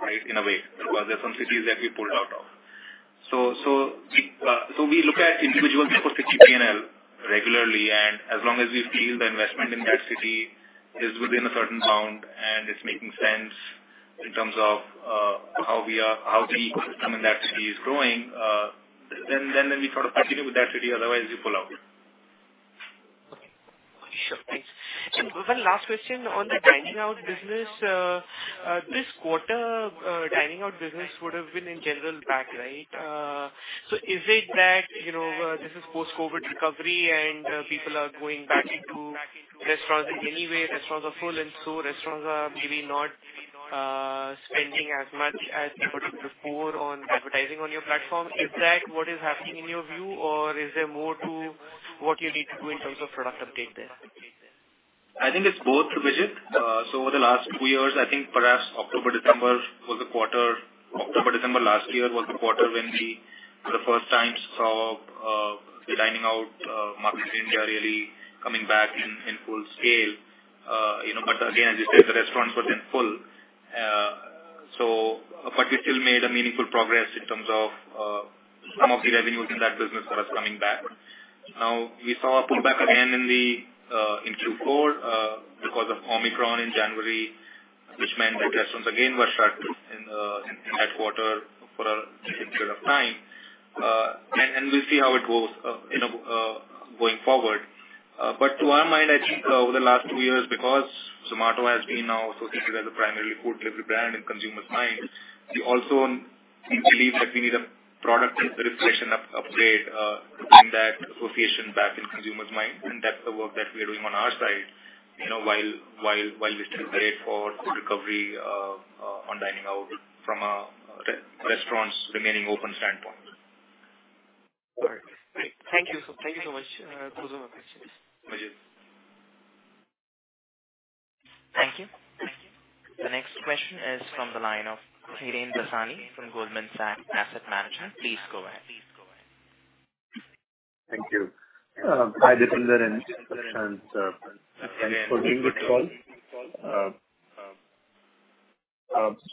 right, in a way, because there are some cities that we pulled out of. We look at individual city P&L regularly, and as long as we feel the investment in that city is within a certain bound and it's making sense in terms of how the ecosystem in that city is growing, then we sort of continue with that city, otherwise we pull out. Sure. Thanks. One last question on the dining out business. This quarter, dining out business would have been in general back, right? Is it that, you know, this is post-COVID recovery and people are going back into restaurants anyway, restaurants are full and so restaurants are maybe not spending as much as they would have before on advertising on your platform. Is that what is happening in your view, or is there more to what you need to do in terms of product update there? I think it's both, Vijit. Over the last two years, I think perhaps October, December last year was the quarter when we for the first time saw the dining out market in India really coming back in full scale. You know, but again, as you said, the restaurants weren't then full. We still made a meaningful progress in terms of some of the revenues in that business that was coming back. Now, we saw a pullback again in Q4 because of Omicron in January, which meant that restaurants again were shut in that quarter for a significant period of time. And we'll see how it goes, you know, going forward. To our mind, I think over the last two years, because Zomato has been now associated as a primarily food delivery brand in consumers' minds, we also believe that we need a product and proposition upgrade to bring that association back in consumers' minds. That's the work that we are doing on our side, you know, while we still wait for full recovery on dining out from a restaurants remaining open standpoint. All right. Great. Thank you, sir. Thank you so much. Those were my questions. Vijit. Thank you. The next question is from the line of Hiren Dasani from Goldman Sachs Asset Management. Please go ahead. Thank you. Hi, Deepinder and Akshant, sir. Thanks for doing this call.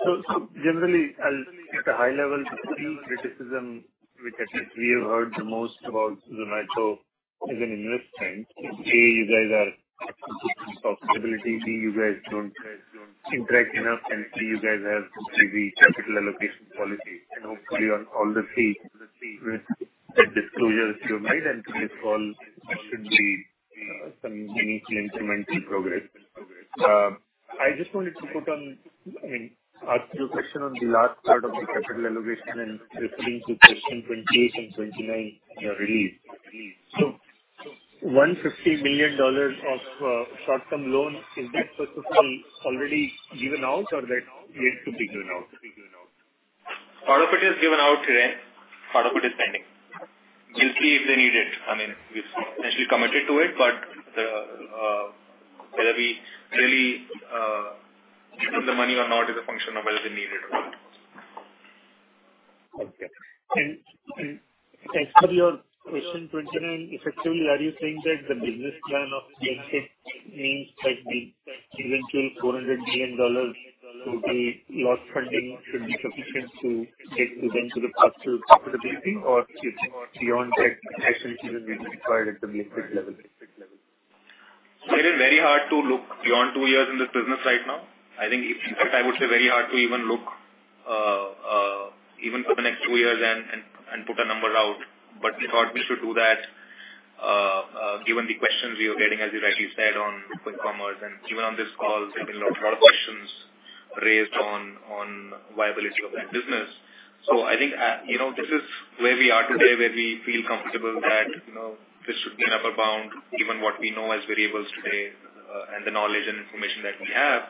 So generally, at a high level, the three criticism which I think we have heard the most about Zomato as an investment is, A, absolute lack of profitability, B, you guys don't interact enough, and C, you guys have tricky capital allocation policy. Hopefully on all the three with the disclosures you have made and today's call, there should be some meaningful incremental progress. I just wanted to I mean ask you a question on the last part of the capital allocation and referring to question 28 and 29 in your release. $150 million of short-term loan, is that supposedly already given out or that yet to be given out? Part of it is given out, Hiren, part of it is pending. We'll see if they need it. I mean, we've essentially committed to it, but whether we really need the money or not is a function of whether we need it or not. Okay. As per your question 29, effectively, are you saying that the business plan of Blinkit means that the eventual $400 million to be raised in funding should be sufficient to take them to the path to profitability or beyond that, actually, it will be required at the Blinkit level? It is very hard to look beyond two years in this business right now. I think in fact, I would say very hard to even look even for the next two years and put a number out. We thought we should do that, given the questions we are getting, as you rightly said, on quick commerce, and even on this call, there have been a lot more questions raised on viability of that business. I think, you know, this is where we are today, where we feel comfortable that, you know, this should be an upper bound, given what we know as variables today, and the knowledge and information that we have.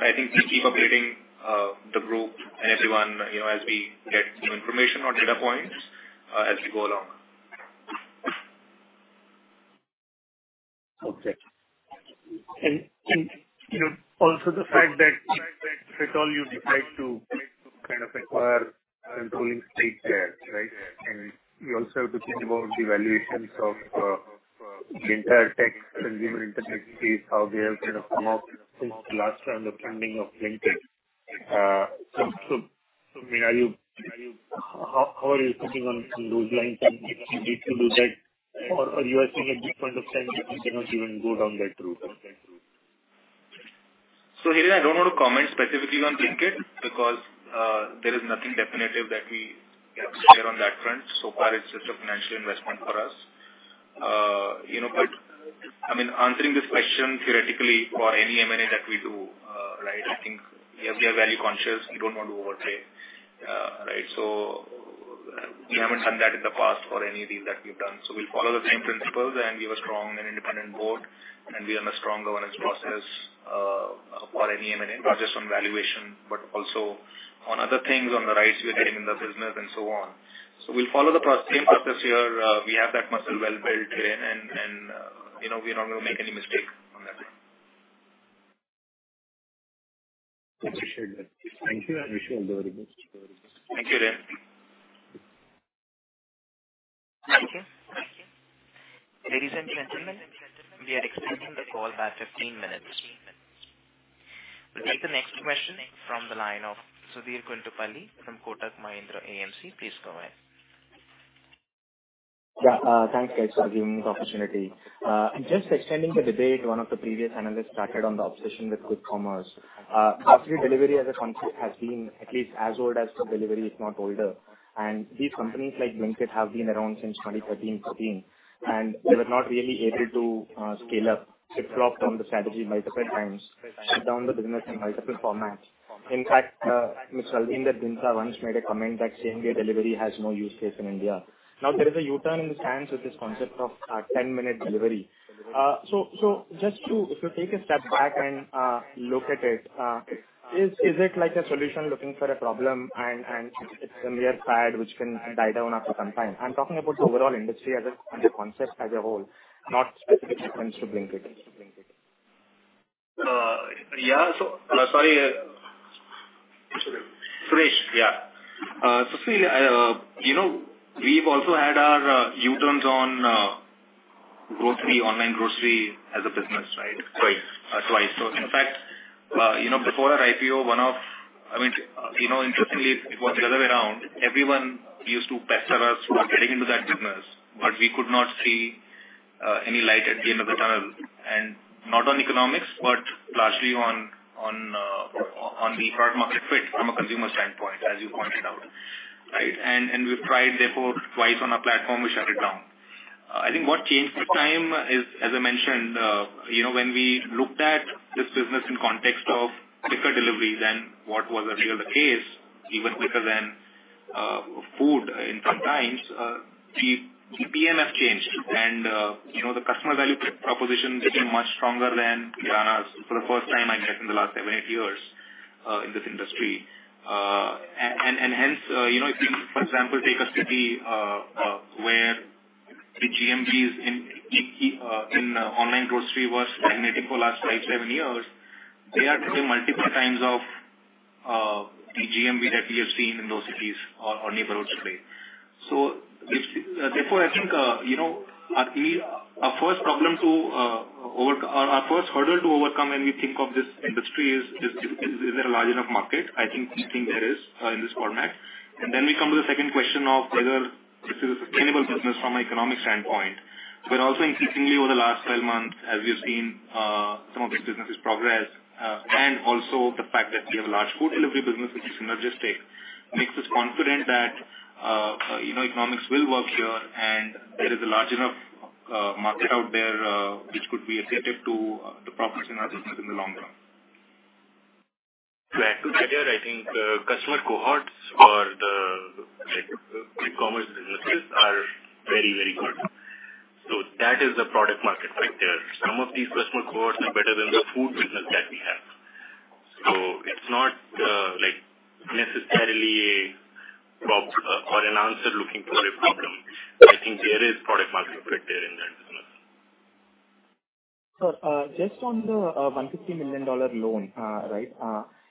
I think we keep updating the group and everyone, you know, as we get new information or data points, as we go along. Okay. You know, also the fact that at all you decide to kind of acquire a controlling stake there, right? You also have to think about the valuations of the entire tech consumer internet space, how they have kind of come out since the last round of funding of Blinkit. So, I mean, how are you sitting on those lines and if you need to do that or are you assuming a different point of time that you cannot even go down that route? Hiren, I don't want to comment specifically on Blinkit because there is nothing definitive that we can share on that front. So far, it's just a financial investment for us. You know, but I mean, answering this question theoretically for any M&A that we do, right, I think yes, we are value conscious. We don't want to overpay, right? We haven't done that in the past for any deal that we've done. We'll follow the same principles and we have a strong and independent board, and we have a strong governance process, for any M&A, not just on valuation, but also on other things, on the rights we are getting in the business and so on. We'll follow the same process here. We have that muscle well built in and, you know, we are not gonna make any mistake on that front. Appreciate that. Thank you. I wish you all the very best. Thank you, Hiren. Thank you. Ladies and gentlemen, we are extending the call by 15 minutes. We take the next question from the line of Sudheer Guntupalli from Kotak Mahindra AMC. Please go ahead. Yeah. Thanks guys for giving me the opportunity. Just extending the debate one of the previous analysts started on the obsession with quick commerce. Actually, delivery as a concept has been at least as old as food delivery, if not older. These companies like Blinkit have been around since 2013, 2015, and they were not really able to scale up. They've flopped on the strategy multiple times, shut down the business in multiple formats. In fact, Albinder Dhindsa once made a comment that same-day delivery has no use case in India. Now, there is a U-turn in the stance with this concept of 10-minute delivery. If you take a step back and look at it, is it like a solution looking for a problem and it's a mere fad which can die down after some time? I'm talking about the overall industry as a concept as a whole, not specific reference to Blinkit. Yeah. Sorry, Sudheer. Yeah. See, you know, we've also had our U-turns on grocery, online grocery as a business, right? Right. Twice. In fact, you know, before our IPO, I mean, you know, interestingly, it was the other way around. Everyone used to pester us for getting into that business, but we could not see any light at the end of the tunnel. Not on economics, but largely on the product market fit from a consumer standpoint, as you pointed out, right? We've tried therefore twice on our platform, we shut it down. I think what changed this time is, as I mentioned, you know, when we looked at this business in context of quicker deliveries than what was earlier the case, even quicker than food in some times, the PMF changed. You know, the customer value proposition became much stronger than kiranas for the first time I checked in the last seven, eight years in this industry. Hence, you know, if you, for example, take a city where the GMV in online grocery was stagnant for the last five, seven years, they are doing multiple times of the GMV that we have seen in those cities on neighborhood today. Therefore, I think, you know, our first hurdle to overcome when we think of this industry is it a large enough market? I think we think there is in this format. Then we come to the second question of whether this is a sustainable business from an economic standpoint. Increasingly over the last 12 months, as we've seen, some of these businesses progress, and also the fact that we have a large food delivery business which is synergistic, makes us confident that, you know, economics will work here and there is a large enough market out there, which could be accretive to profits in our business in the long run. To add to that, I think, customer cohorts for the, like, quick commerce businesses are very, very good. So that is the product market right there. Some of these customer cohorts are better than the food business that we have. So it's not an answer looking for a problem. I think there is product market fit there in that sense. Sir, just on the $150 million loan, right?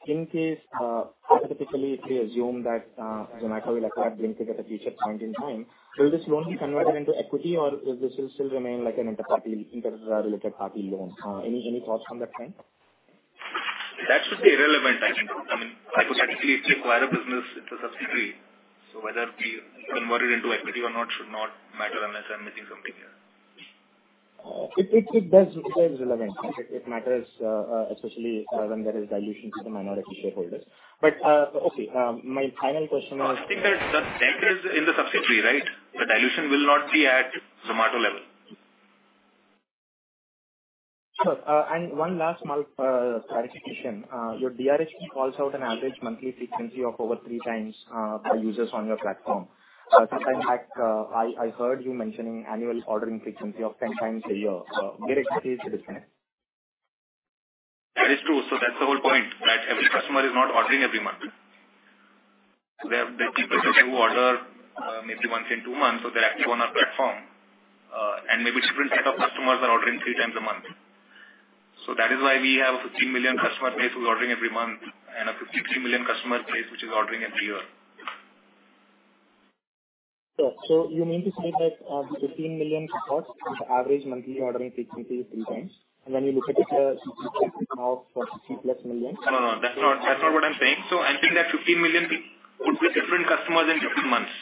In case, hypothetically, if we assume that Zomato will acquire Blinkit at a future point in time, will this loan be converted into equity or this will still remain like an inter-related party loan? Any thoughts on that front? That should be irrelevant, I think. I mean, hypothetically, if you acquire a business, it's a subsidiary, so whether we convert it into equity or not should not matter unless I'm missing something here. It does. It is relevant. It matters, especially when there is dilution to the minority shareholders. Okay, my final question was- I think that the debt is in the subsidiary, right? The dilution will not be at Zomato level. Sure. One last small clarification. Your DRHP calls out an average monthly frequency of over 3x for users on your platform. Sometime back, I heard you mentioning annual ordering frequency of 10x a year. Where exactly is the disconnect? That is true. That's the whole point, right? Every customer is not ordering every month. There are people who do order, maybe once in two months, so they're active on our platform. Maybe different set of customers are ordering 3x a month. That is why we have a 15 million customer base who's ordering every month and a 53 million customer base which is ordering every year. Sure. You mean to say that the 15 million cohorts have the average monthly ordering frequency of 3x, and when you look at it comes to some of 60+ millions. No, that's not what I'm saying. I'm saying that 15 million would be different customers in different months.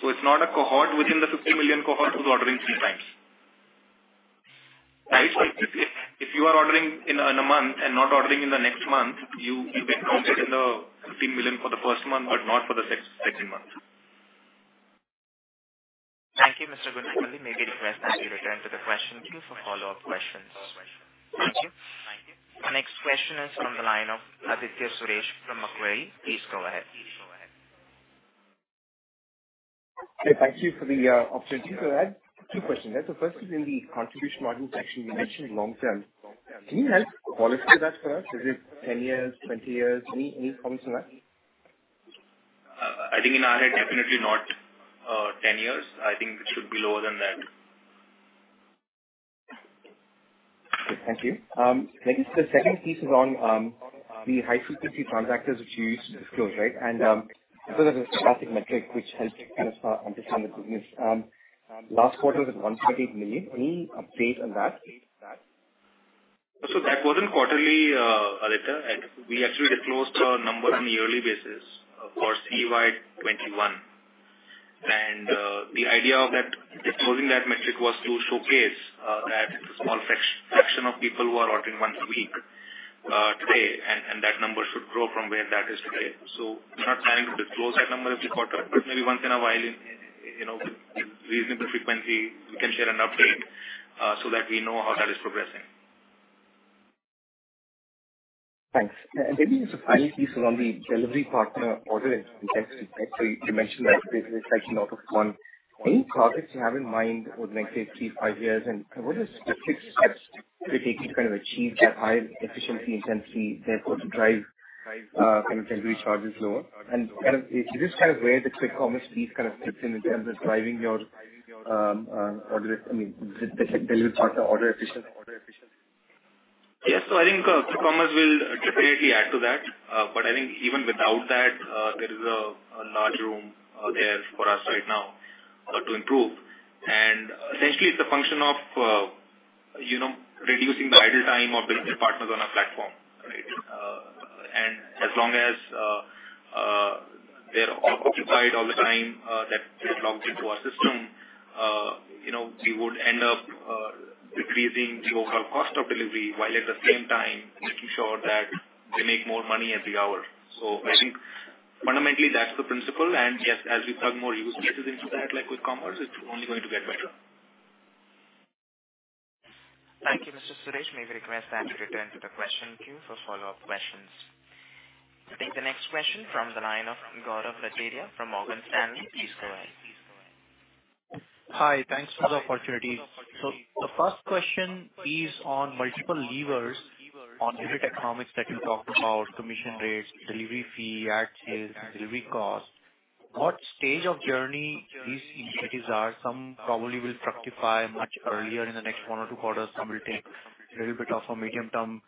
It's not a cohort within the 50 million cohort who's ordering 3x. Right? If you are ordering in a month and not ordering in the next month, you get counted in the 15 million for the first month, but not for the second month. Thank you, Mr. Guntupalli. May we request that you return to the question queue for follow-up questions. Thank you. Our next question is from the line of Aditya Suresh from Macquarie. Please go ahead. Hey, thank you for the opportunity. I had two questions there. First is in the contribution margin section, you mentioned long-term. Can you help qualify that for us? Is it 10 years, 20 years? Any comments on that? I think in our head, definitely not, 10 years. I think it should be lower than that. Thank you. Maybe the second piece is on the high-frequency transactors which you used to disclose, right? I thought that was a static metric which helped kind of understand the business. Last quarter was at 1.8 million. Any update on that? That wasn't quarterly, Aditya. We actually disclosed our numbers on a yearly basis for CY 2021. The idea of that disclosing that metric was to showcase that small fraction of people who are ordering once a week today, and that number should grow from where that is today. We're not planning to disclose that number every quarter, but maybe once in a while, you know, reasonable frequency, we can share an update, so that we know how that is progressing. Thanks. Maybe the final piece is on the delivery partner order intensity. You mentioned that this is actually out of one. Any targets you have in mind over the next three, five years, and what are the specific steps to taking to kind of achieve that higher efficiency intensity therefore to drive kind of delivery charges lower? Kind of is this kind of where the Quick Commerce piece kind of fits in in terms of driving your order, I mean, the delivery partner order efficiency? Yes. I think Quick Commerce will definitely add to that. I think even without that, there is a large room there for us right now to improve. Essentially it's a function of you know, reducing the idle time of delivery partners on our platform, right? As long as they're occupied all the time that they're logged into our system, you know, we would end up decreasing the overall cost of delivery while at the same time making sure that they make more money every hour. I think fundamentally, that's the principle and yes, as we plug more use cases into that, like with commerce, it's only going to get better. Thank you, Mr. Suresh. May we request that you return to the question queue for follow-up questions. I take the next question from the line of Gaurav Rateria from Morgan Stanley. Please go ahead. Hi. Thanks for the opportunity. The first question is on multiple levers on unit economics that you talked about commission rates, delivery fee, ad sales, delivery cost. What stage of journey these initiatives are? Some probably will fructify much earlier in the next one or two quarters. Some will take a little bit of a medium-term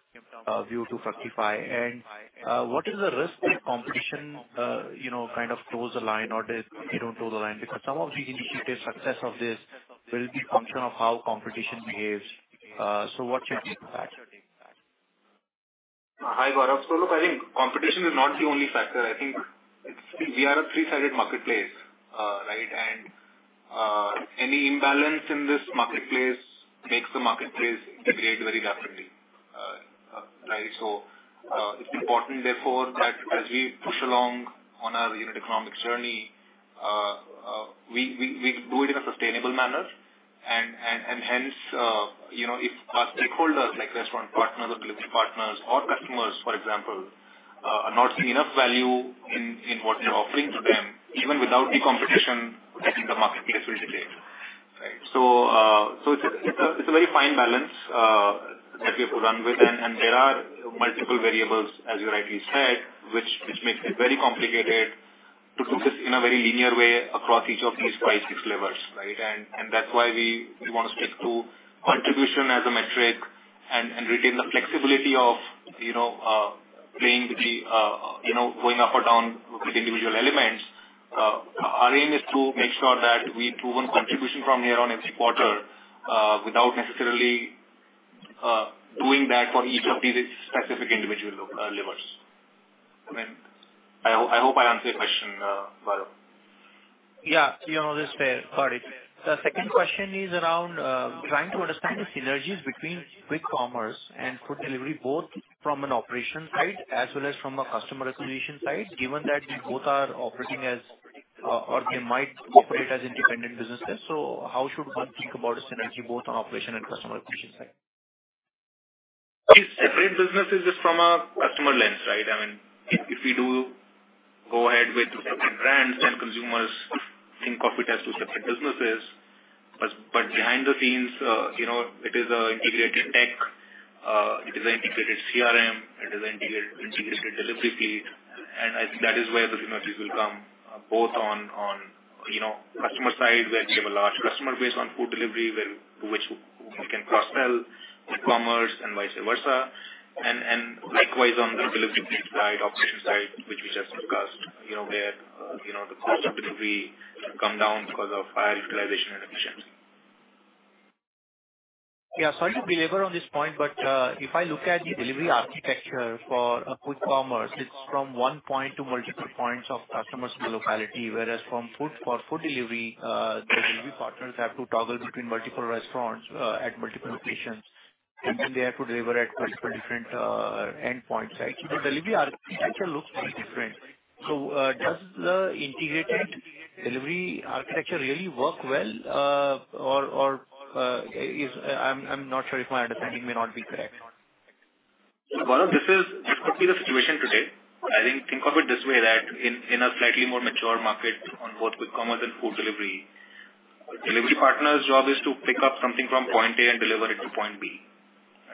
view to fructify. What is the risk that competition, you know, kind of toes the line or they don't toe the line? Because some of the indicated success of this will be a function of how competition behaves. What's your take on that? Hi, Gaurav. Look, I think competition is not the only factor. I think it's we are a three-sided marketplace, right? Any imbalance in this marketplace makes the marketplace degrade very rapidly, right? It's important therefore that as we push along on our unit economics journey, we do it in a sustainable manner and hence, you know, if our stakeholders, like restaurant partners or delivery partners or customers, for example, are not seeing enough value in what we're offering to them, even without any competition, I think the marketplace will degrade, right? It's a very fine balance that we have to run with. There are multiple variables, as you rightly said, which makes it very complicated to do this in a very linear way across each of these five, six levers, right? That's why we wanna stick to contribution as a metric and retain the flexibility of, you know, playing with the, you know, going up or down with individual elements. Our aim is to make sure that we improve on contribution from here on every quarter, without necessarily doing that for each of these specific individual levers. I mean, I hope I answered your question, Varun. Yeah. You know, that's fair. Got it. The second question is around trying to understand the synergies between quick commerce and food delivery, both from an operation side as well as from a customer acquisition side, given that they both are operating as or they might operate as independent businesses. How should one think about a synergy both on operation and customer acquisition side? These separate businesses is from a customer lens, right? I mean, if we do go ahead with different brands, then consumers think of it as two separate businesses. Behind the scenes, you know, it is an integrated tech, it is an integrated CRM, it is an integrated delivery fleet. I think that is where the synergies will come, both on you know, customer side where we have a large customer base on food delivery where which we can cross-sell with commerce and vice versa. Likewise on the delivery fleet side, operation side, which we just discussed, you know, where you know, the cost of delivery come down because of higher utilization and efficiency. Yeah. Sorry to belabor on this point, but if I look at the delivery architecture for a quick commerce, it's from one point to multiple points of customers in the locality, whereas for food delivery, the delivery partners have to toggle between multiple restaurants at multiple locations, and then they have to deliver at multiple different endpoints, right? The delivery architecture looks very different. Does the integrated delivery architecture really work well, or I'm not sure if my understanding may not be correct. Varun, this could be the situation today. I think of it this way, that in a slightly more mature market on both quick commerce and food delivery partner's job is to pick up something from point A and deliver it to point B,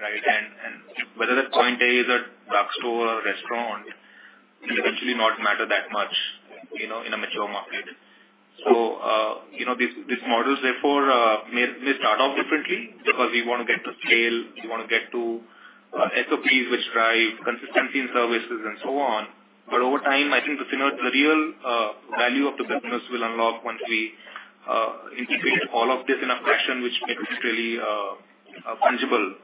right? Whether that point A is a drugstore or restaurant, it eventually doesn't matter that much, you know, in a mature market. You know, these models therefore may start off differently because we wanna get to scale, we wanna get to SOPs which drive consistency in services and so on. Over time, I think the real value of the business will unlock once we integrate all of this in a fashion which makes it really tangible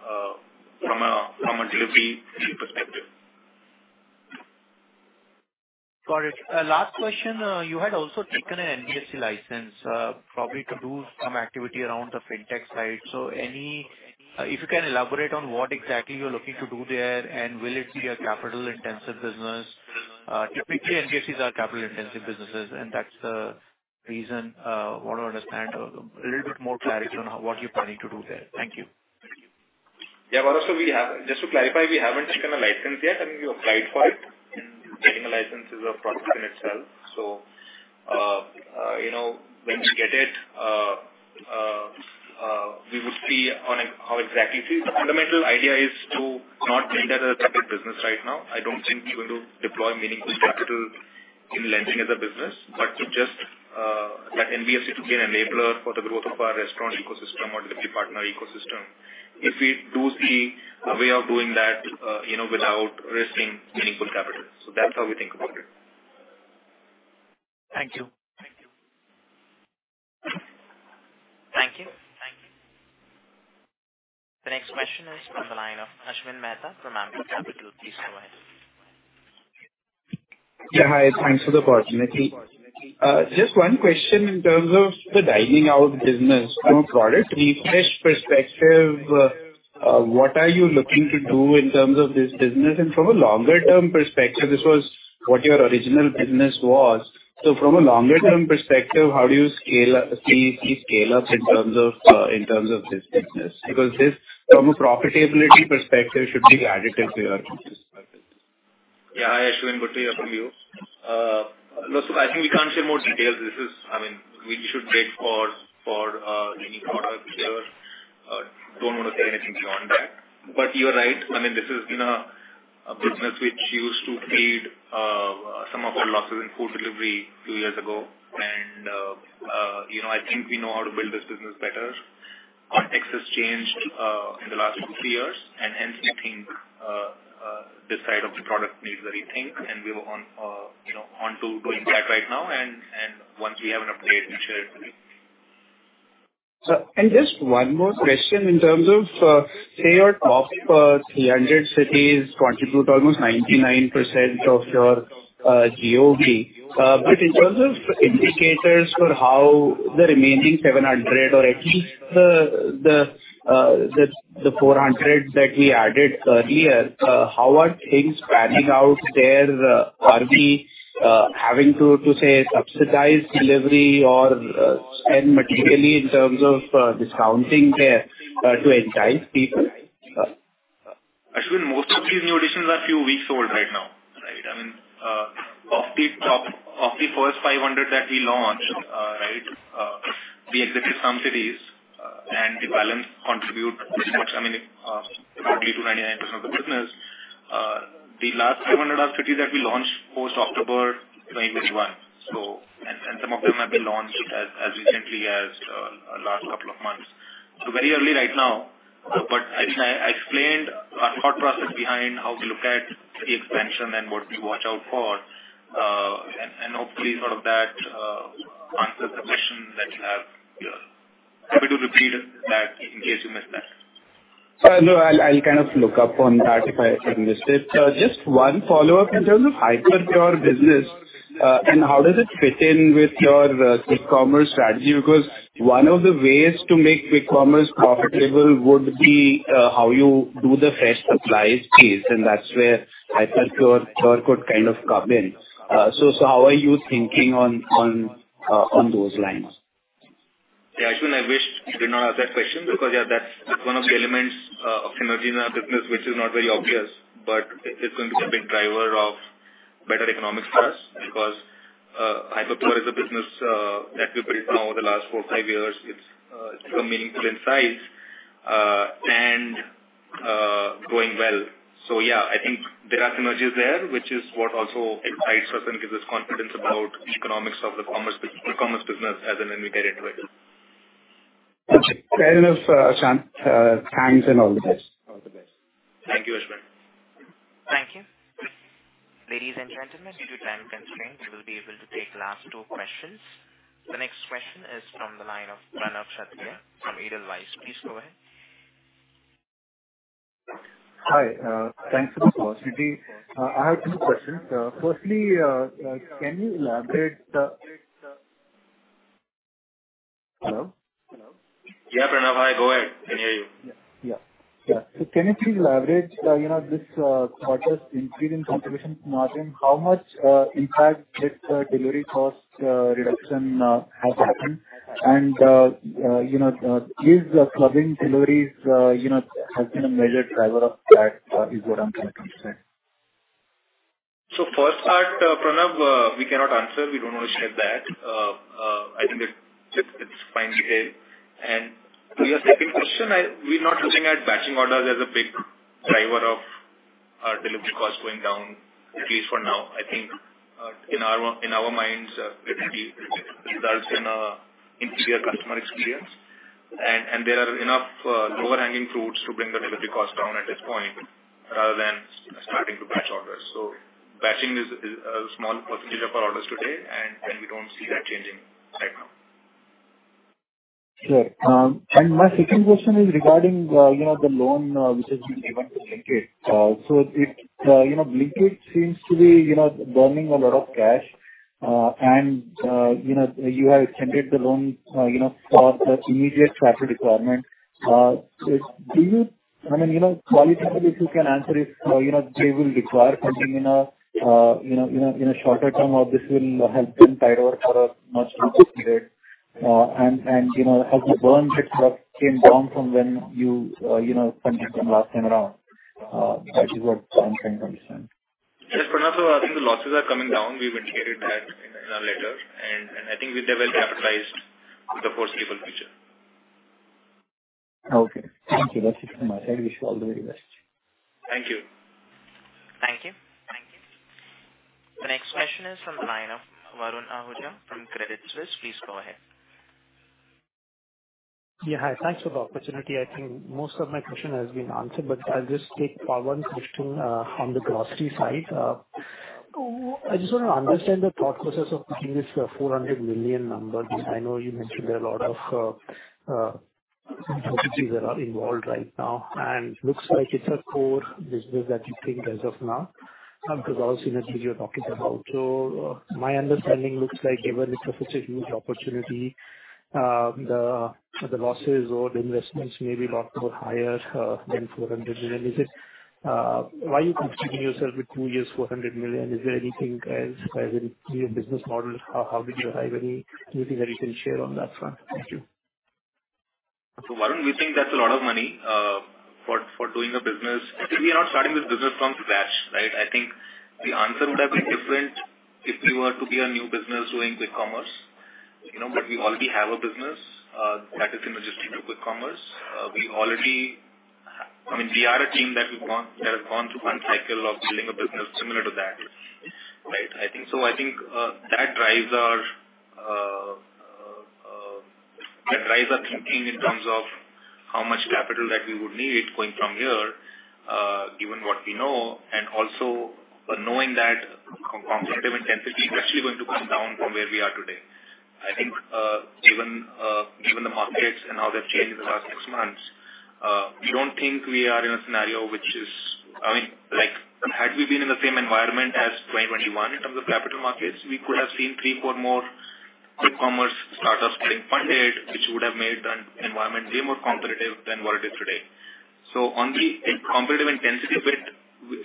from a delivery perspective. Got it. Last question. You had also taken an NBFC license, probably to do some activity around the fintech side. If you can elaborate on what exactly you're looking to do there, and will it be a capital-intensive business? Typically NBFCs are capital-intensive businesses, and that's the reason want to understand a little bit more clarity on what you're planning to do there. Thank you. Yeah. Guarav, just to clarify, we haven't taken a license yet. I mean, we applied for it, and getting a license is a process in itself. You know, when we get it, we would see how exactly. See, the fundamental idea is to not think of it as a separate business right now. I don't think we're going to deploy meaningful capital in lending as a business. To just let NBFC to be an enabler for the growth of our restaurant ecosystem or delivery partner ecosystem, if we do see a way of doing that, you know, without risking meaningful capital. That's how we think about it. Thank you. Thank you. The next question is from the line of Ashwin Mehta from Ambit Capital. Please go ahead. Yeah, hi. Thanks for the opportunity. Just one question in terms of the dining out business. You know, product refresh perspective, what are you looking to do in terms of this business? From a longer term perspective, this was what your original business was. From a longer term perspective, how do you see scale-ups in terms of this business? Because this, from a profitability perspective, should be additive to your business. Yeah. Hi, Ashwin. Good to hear from you. Look, I think we can't share more details. I mean, we should wait for any product here. Don't wanna say anything beyond that. You are right. I mean, this has been a business which used to aid some of our losses in food delivery two years ago. You know, I think we know how to build this business better. Our context has changed in the last two, three years. Hence I think this side of the product needs a rethink and we're onto doing that right now. You know, once we have an update, we'll share it with you. Just one more question in terms of, say your top 300 cities contribute almost 99% of your GOV. But in terms of indicators for how the remaining 700 or at least the 400 that we added earlier, how are things panning out there? Are we having to say subsidize delivery or spend materially in terms of discounting there to entice people? Ashwin, most of these new additions are a few weeks old right now. Of the first 500 that we launched, right, we exited some cities, and the balance contribute pretty much, I mean, probably to 99% of the business. The last 500-odd cities that we launched post-October 2021. Some of them have been launched as recently as last couple of months. Very early right now. I explained our thought process behind how we look at city expansion and what we watch out for, and hopefully sort of that answers the question that you have. Happy to repeat that in case you missed that. No, I'll kind of look up on that if I missed it. Just one follow-up in terms of Hyperpure business, and how does it fit in with your quick commerce strategy? Because one of the ways to make quick commerce profitable would be how you do the fresh supplies piece, and that's where Hyperpure could kind of come in. How are you thinking on those lines? Yeah, actually I wish you did not ask that question because, yeah, that's one of the elements of synergy in our business, which is not very obvious, but it's going to be a big driver of better economics for us because, Hyperpure is a business that we've built over the last four to five years. It's become meaningful in size and growing well. Yeah, I think there are synergies there, which is what also excites us and gives us confidence about the economics of the commerce business as an integrated way. Gotcha. Fair enough, Akshant. Thanks and all the best. All the best. Thank you, Ashwin. Thank you. Ladies and gentlemen, due to time constraints, we'll be able to take last two questions. The next question is from the line of Pranav Kshatriya from Edelweiss. Please go ahead. Hi, thanks for the opportunity. I have two questions. Firstly, can you elaborate. Hello? Hello? Yeah, Pranav. Hi, go ahead. Can hear you. Yeah. Can you please elaborate, you know, this quarter's increase in contribution margin, how much impact this delivery cost reduction has happened and, you know, is the clubbing deliveries, you know, has been a major driver of that, is what I'm trying to understand. First part, Pranav, we cannot answer. We don't want to share that. I think it's just fine detail. Your second question, we're not looking at batching orders as a big driver of our delivery costs going down, at least for now. I think in our minds it results in an inferior customer experience and there are enough low-hanging fruits to bring the delivery cost down at this point than starting to batch orders. Batching is a small percentage of our orders today, and we don't see that changing right now. Sure. My second question is regarding you know the loan which has been given to Blinkit. Blinkit seems to be you know burning a lot of cash and you know you have extended the loan you know for the immediate capital requirement. Do you I mean you know qualitatively if you can answer if you know they will require funding in a shorter term or this will help them tide over for a much longer period. You know has the burn rate come down from when you you know funded them last time around? That is what I'm trying to understand. Yes, Pranav. I think the losses are coming down. We've indicated that in our letter and I think they're well capitalized for the foreseeable future. Okay. Thank you. That's it from my side. Wish you all the very best. Thank you. Thank you. The next question is from the line of Varun Ahuja from Credit Suisse. Please go ahead. Yeah. Hi. Thanks for the opportunity. I think most of my question has been answered, but I'll just take one question on the grocery side. I just want to understand the thought process of putting this 400 million number. I know you mentioned there are a lot of competitors that are involved right now, and looks like it's a core business that you think as of now because all synergies you're talking about. So my understanding looks like given it's such a huge opportunity, the losses or the investments may be lot more higher than 400 million. Why are you constraining yourself with two years, 400 million? Is there anything else as in your business model? How did you arrive? Anything that you can share on that front? Thank you. Varun, we think that's a lot of money for doing a business. We are not starting this business from scratch, right? I think the answer would have been different if we were to be a new business doing quick commerce. You know, we already have a business that is synergistic to quick commerce. I mean, we are a team that have gone through one cycle of building a business similar to that, right? I think so. I think that drives our thinking in terms of how much capital that we would need going from here, given what we know and also knowing that competitive intensity is actually going to come down from where we are today. I think, given the markets and how they've changed in the last six months, we don't think we are in a scenario which is, I mean, like, had we been in the same environment as 2021 in terms of capital markets, we could have seen three, four more Quick Commerce startups getting funded, which would have made the environment way more competitive than what it is today. On the competitive intensity bit,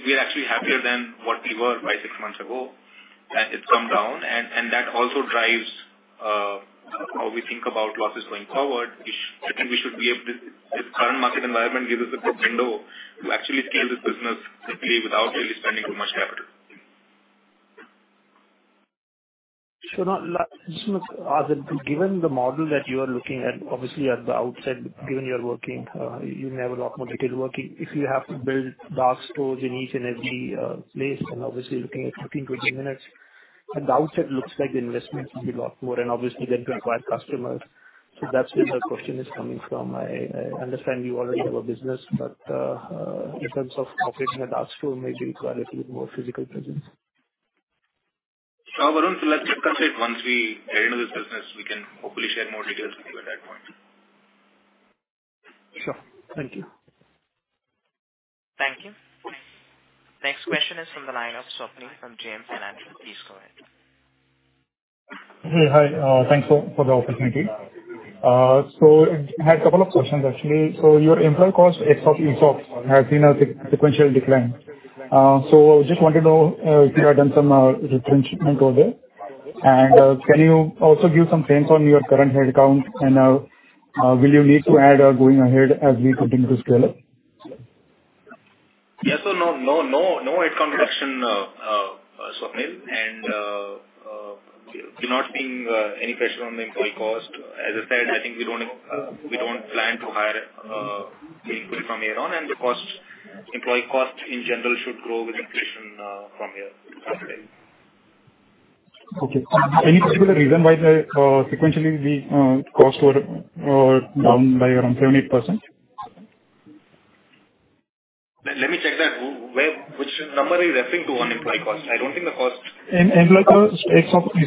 we're actually happier than what we were five to six months ago, that it's come down and that also drives how we think about losses going forward. I think we should be able to. This current market environment gives us a good window to actually scale this business quickly without really spending too much capital. This much, given the model that you are looking at, obviously at the outset, given you are working, you have a lot more detail working. If you have to build dark stores in each and every place and obviously looking at 15-20 minutes, at the outset looks like the investment will be a lot more and obviously then to acquire customers. That's where the question is coming from. I understand you already have a business, but in terms of operating a dark store, maybe you require a little more physical presence. Sure, Varun. Let's check and say once we get into this business, we can hopefully share more details with you at that point. Sure. Thank you. Thank you. Next question is from the line of Swapnil from JM Financial. Please go ahead. Hey. Hi. Thanks for the opportunity. I had a couple of questions, actually. Your employee cost as % has been a sequential decline. Just wanted to know if you have done some retrenchment over there. Can you also give some sense on your current head count and will you need to add going ahead as we continue to scale up? Yes. No head count reduction, Swapnil. We're not seeing any pressure on the employee cost. As I said, I think we don't plan to hire meaningfully from here on, and the cost, employee cost in general should grow with inflation from here today. Okay. Any particular reason why sequentially the costs were down by around 70%? Let me check that. Which number are you referring to on employee cost? I don't think the cost Employee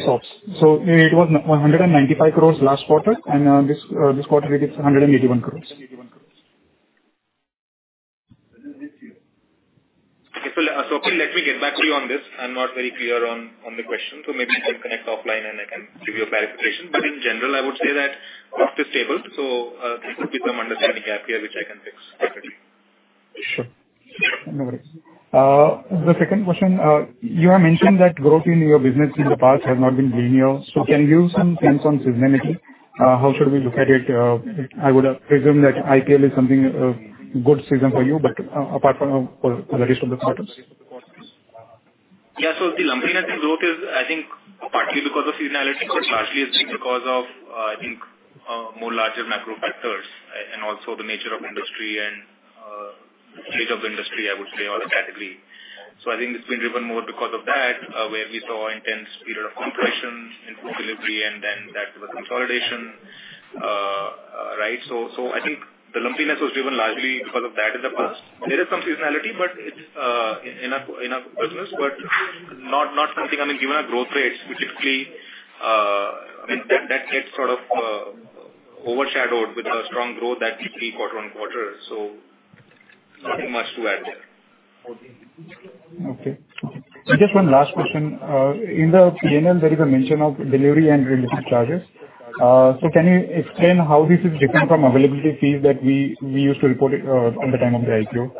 cost. It was 195 crore last quarter, and this quarter it is 181 crore. Okay. Swapnil, let me get back to you on this. I'm not very clear on the question, so maybe we can connect offline and I can give you a clarification. In general, I would say that cost is stable, so this could be some understanding gap here, which I can fix separately. Sure. No worries. The second question. You have mentioned that growth in your business in the past has not been linear, so can you give some sense on seasonality? How should we look at it? I would have presumed that IPL is something good season for you, but apart from for the rest of the quarters. Yeah. The lumpiness in growth is, I think, partly because of seasonality, but largely is because of, I think, more larger macro factors and also the nature of industry and state of industry, I would say, or the category. I think it's been driven more because of that, where we saw intense period of compression in food delivery and then that there was consolidation. Right. I think the lumpiness was driven largely because of that in the past. There is some seasonality, but it's in our business, but not something, I mean, given our growth rates, which is really, I mean, that gets sort of overshadowed with our strong growth that we see quarter-over-quarter. Nothing much to add there. Okay. Just one last question. In the P&L there is a mention of delivery and related charges. Can you explain how this is different from availability fees that we used to report it at the time of the IPO?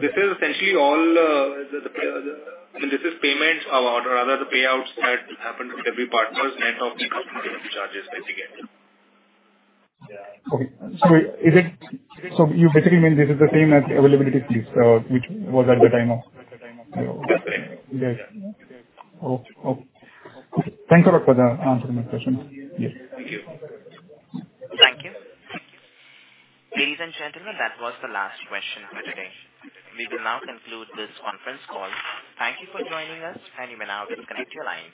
This is essentially all. I mean, this is payments or rather the payouts that happen to delivery partners net of the customer delivery charges, basically. You basically mean this is the same as availability fees, which was at the time of- Just the same. Yes. Thank you a lot for answering my questions. Yes. Thank you. Thank you. Ladies and gentlemen, that was the last question for today. We will now conclude this conference call. Thank you for joining us, and you may now disconnect your lines.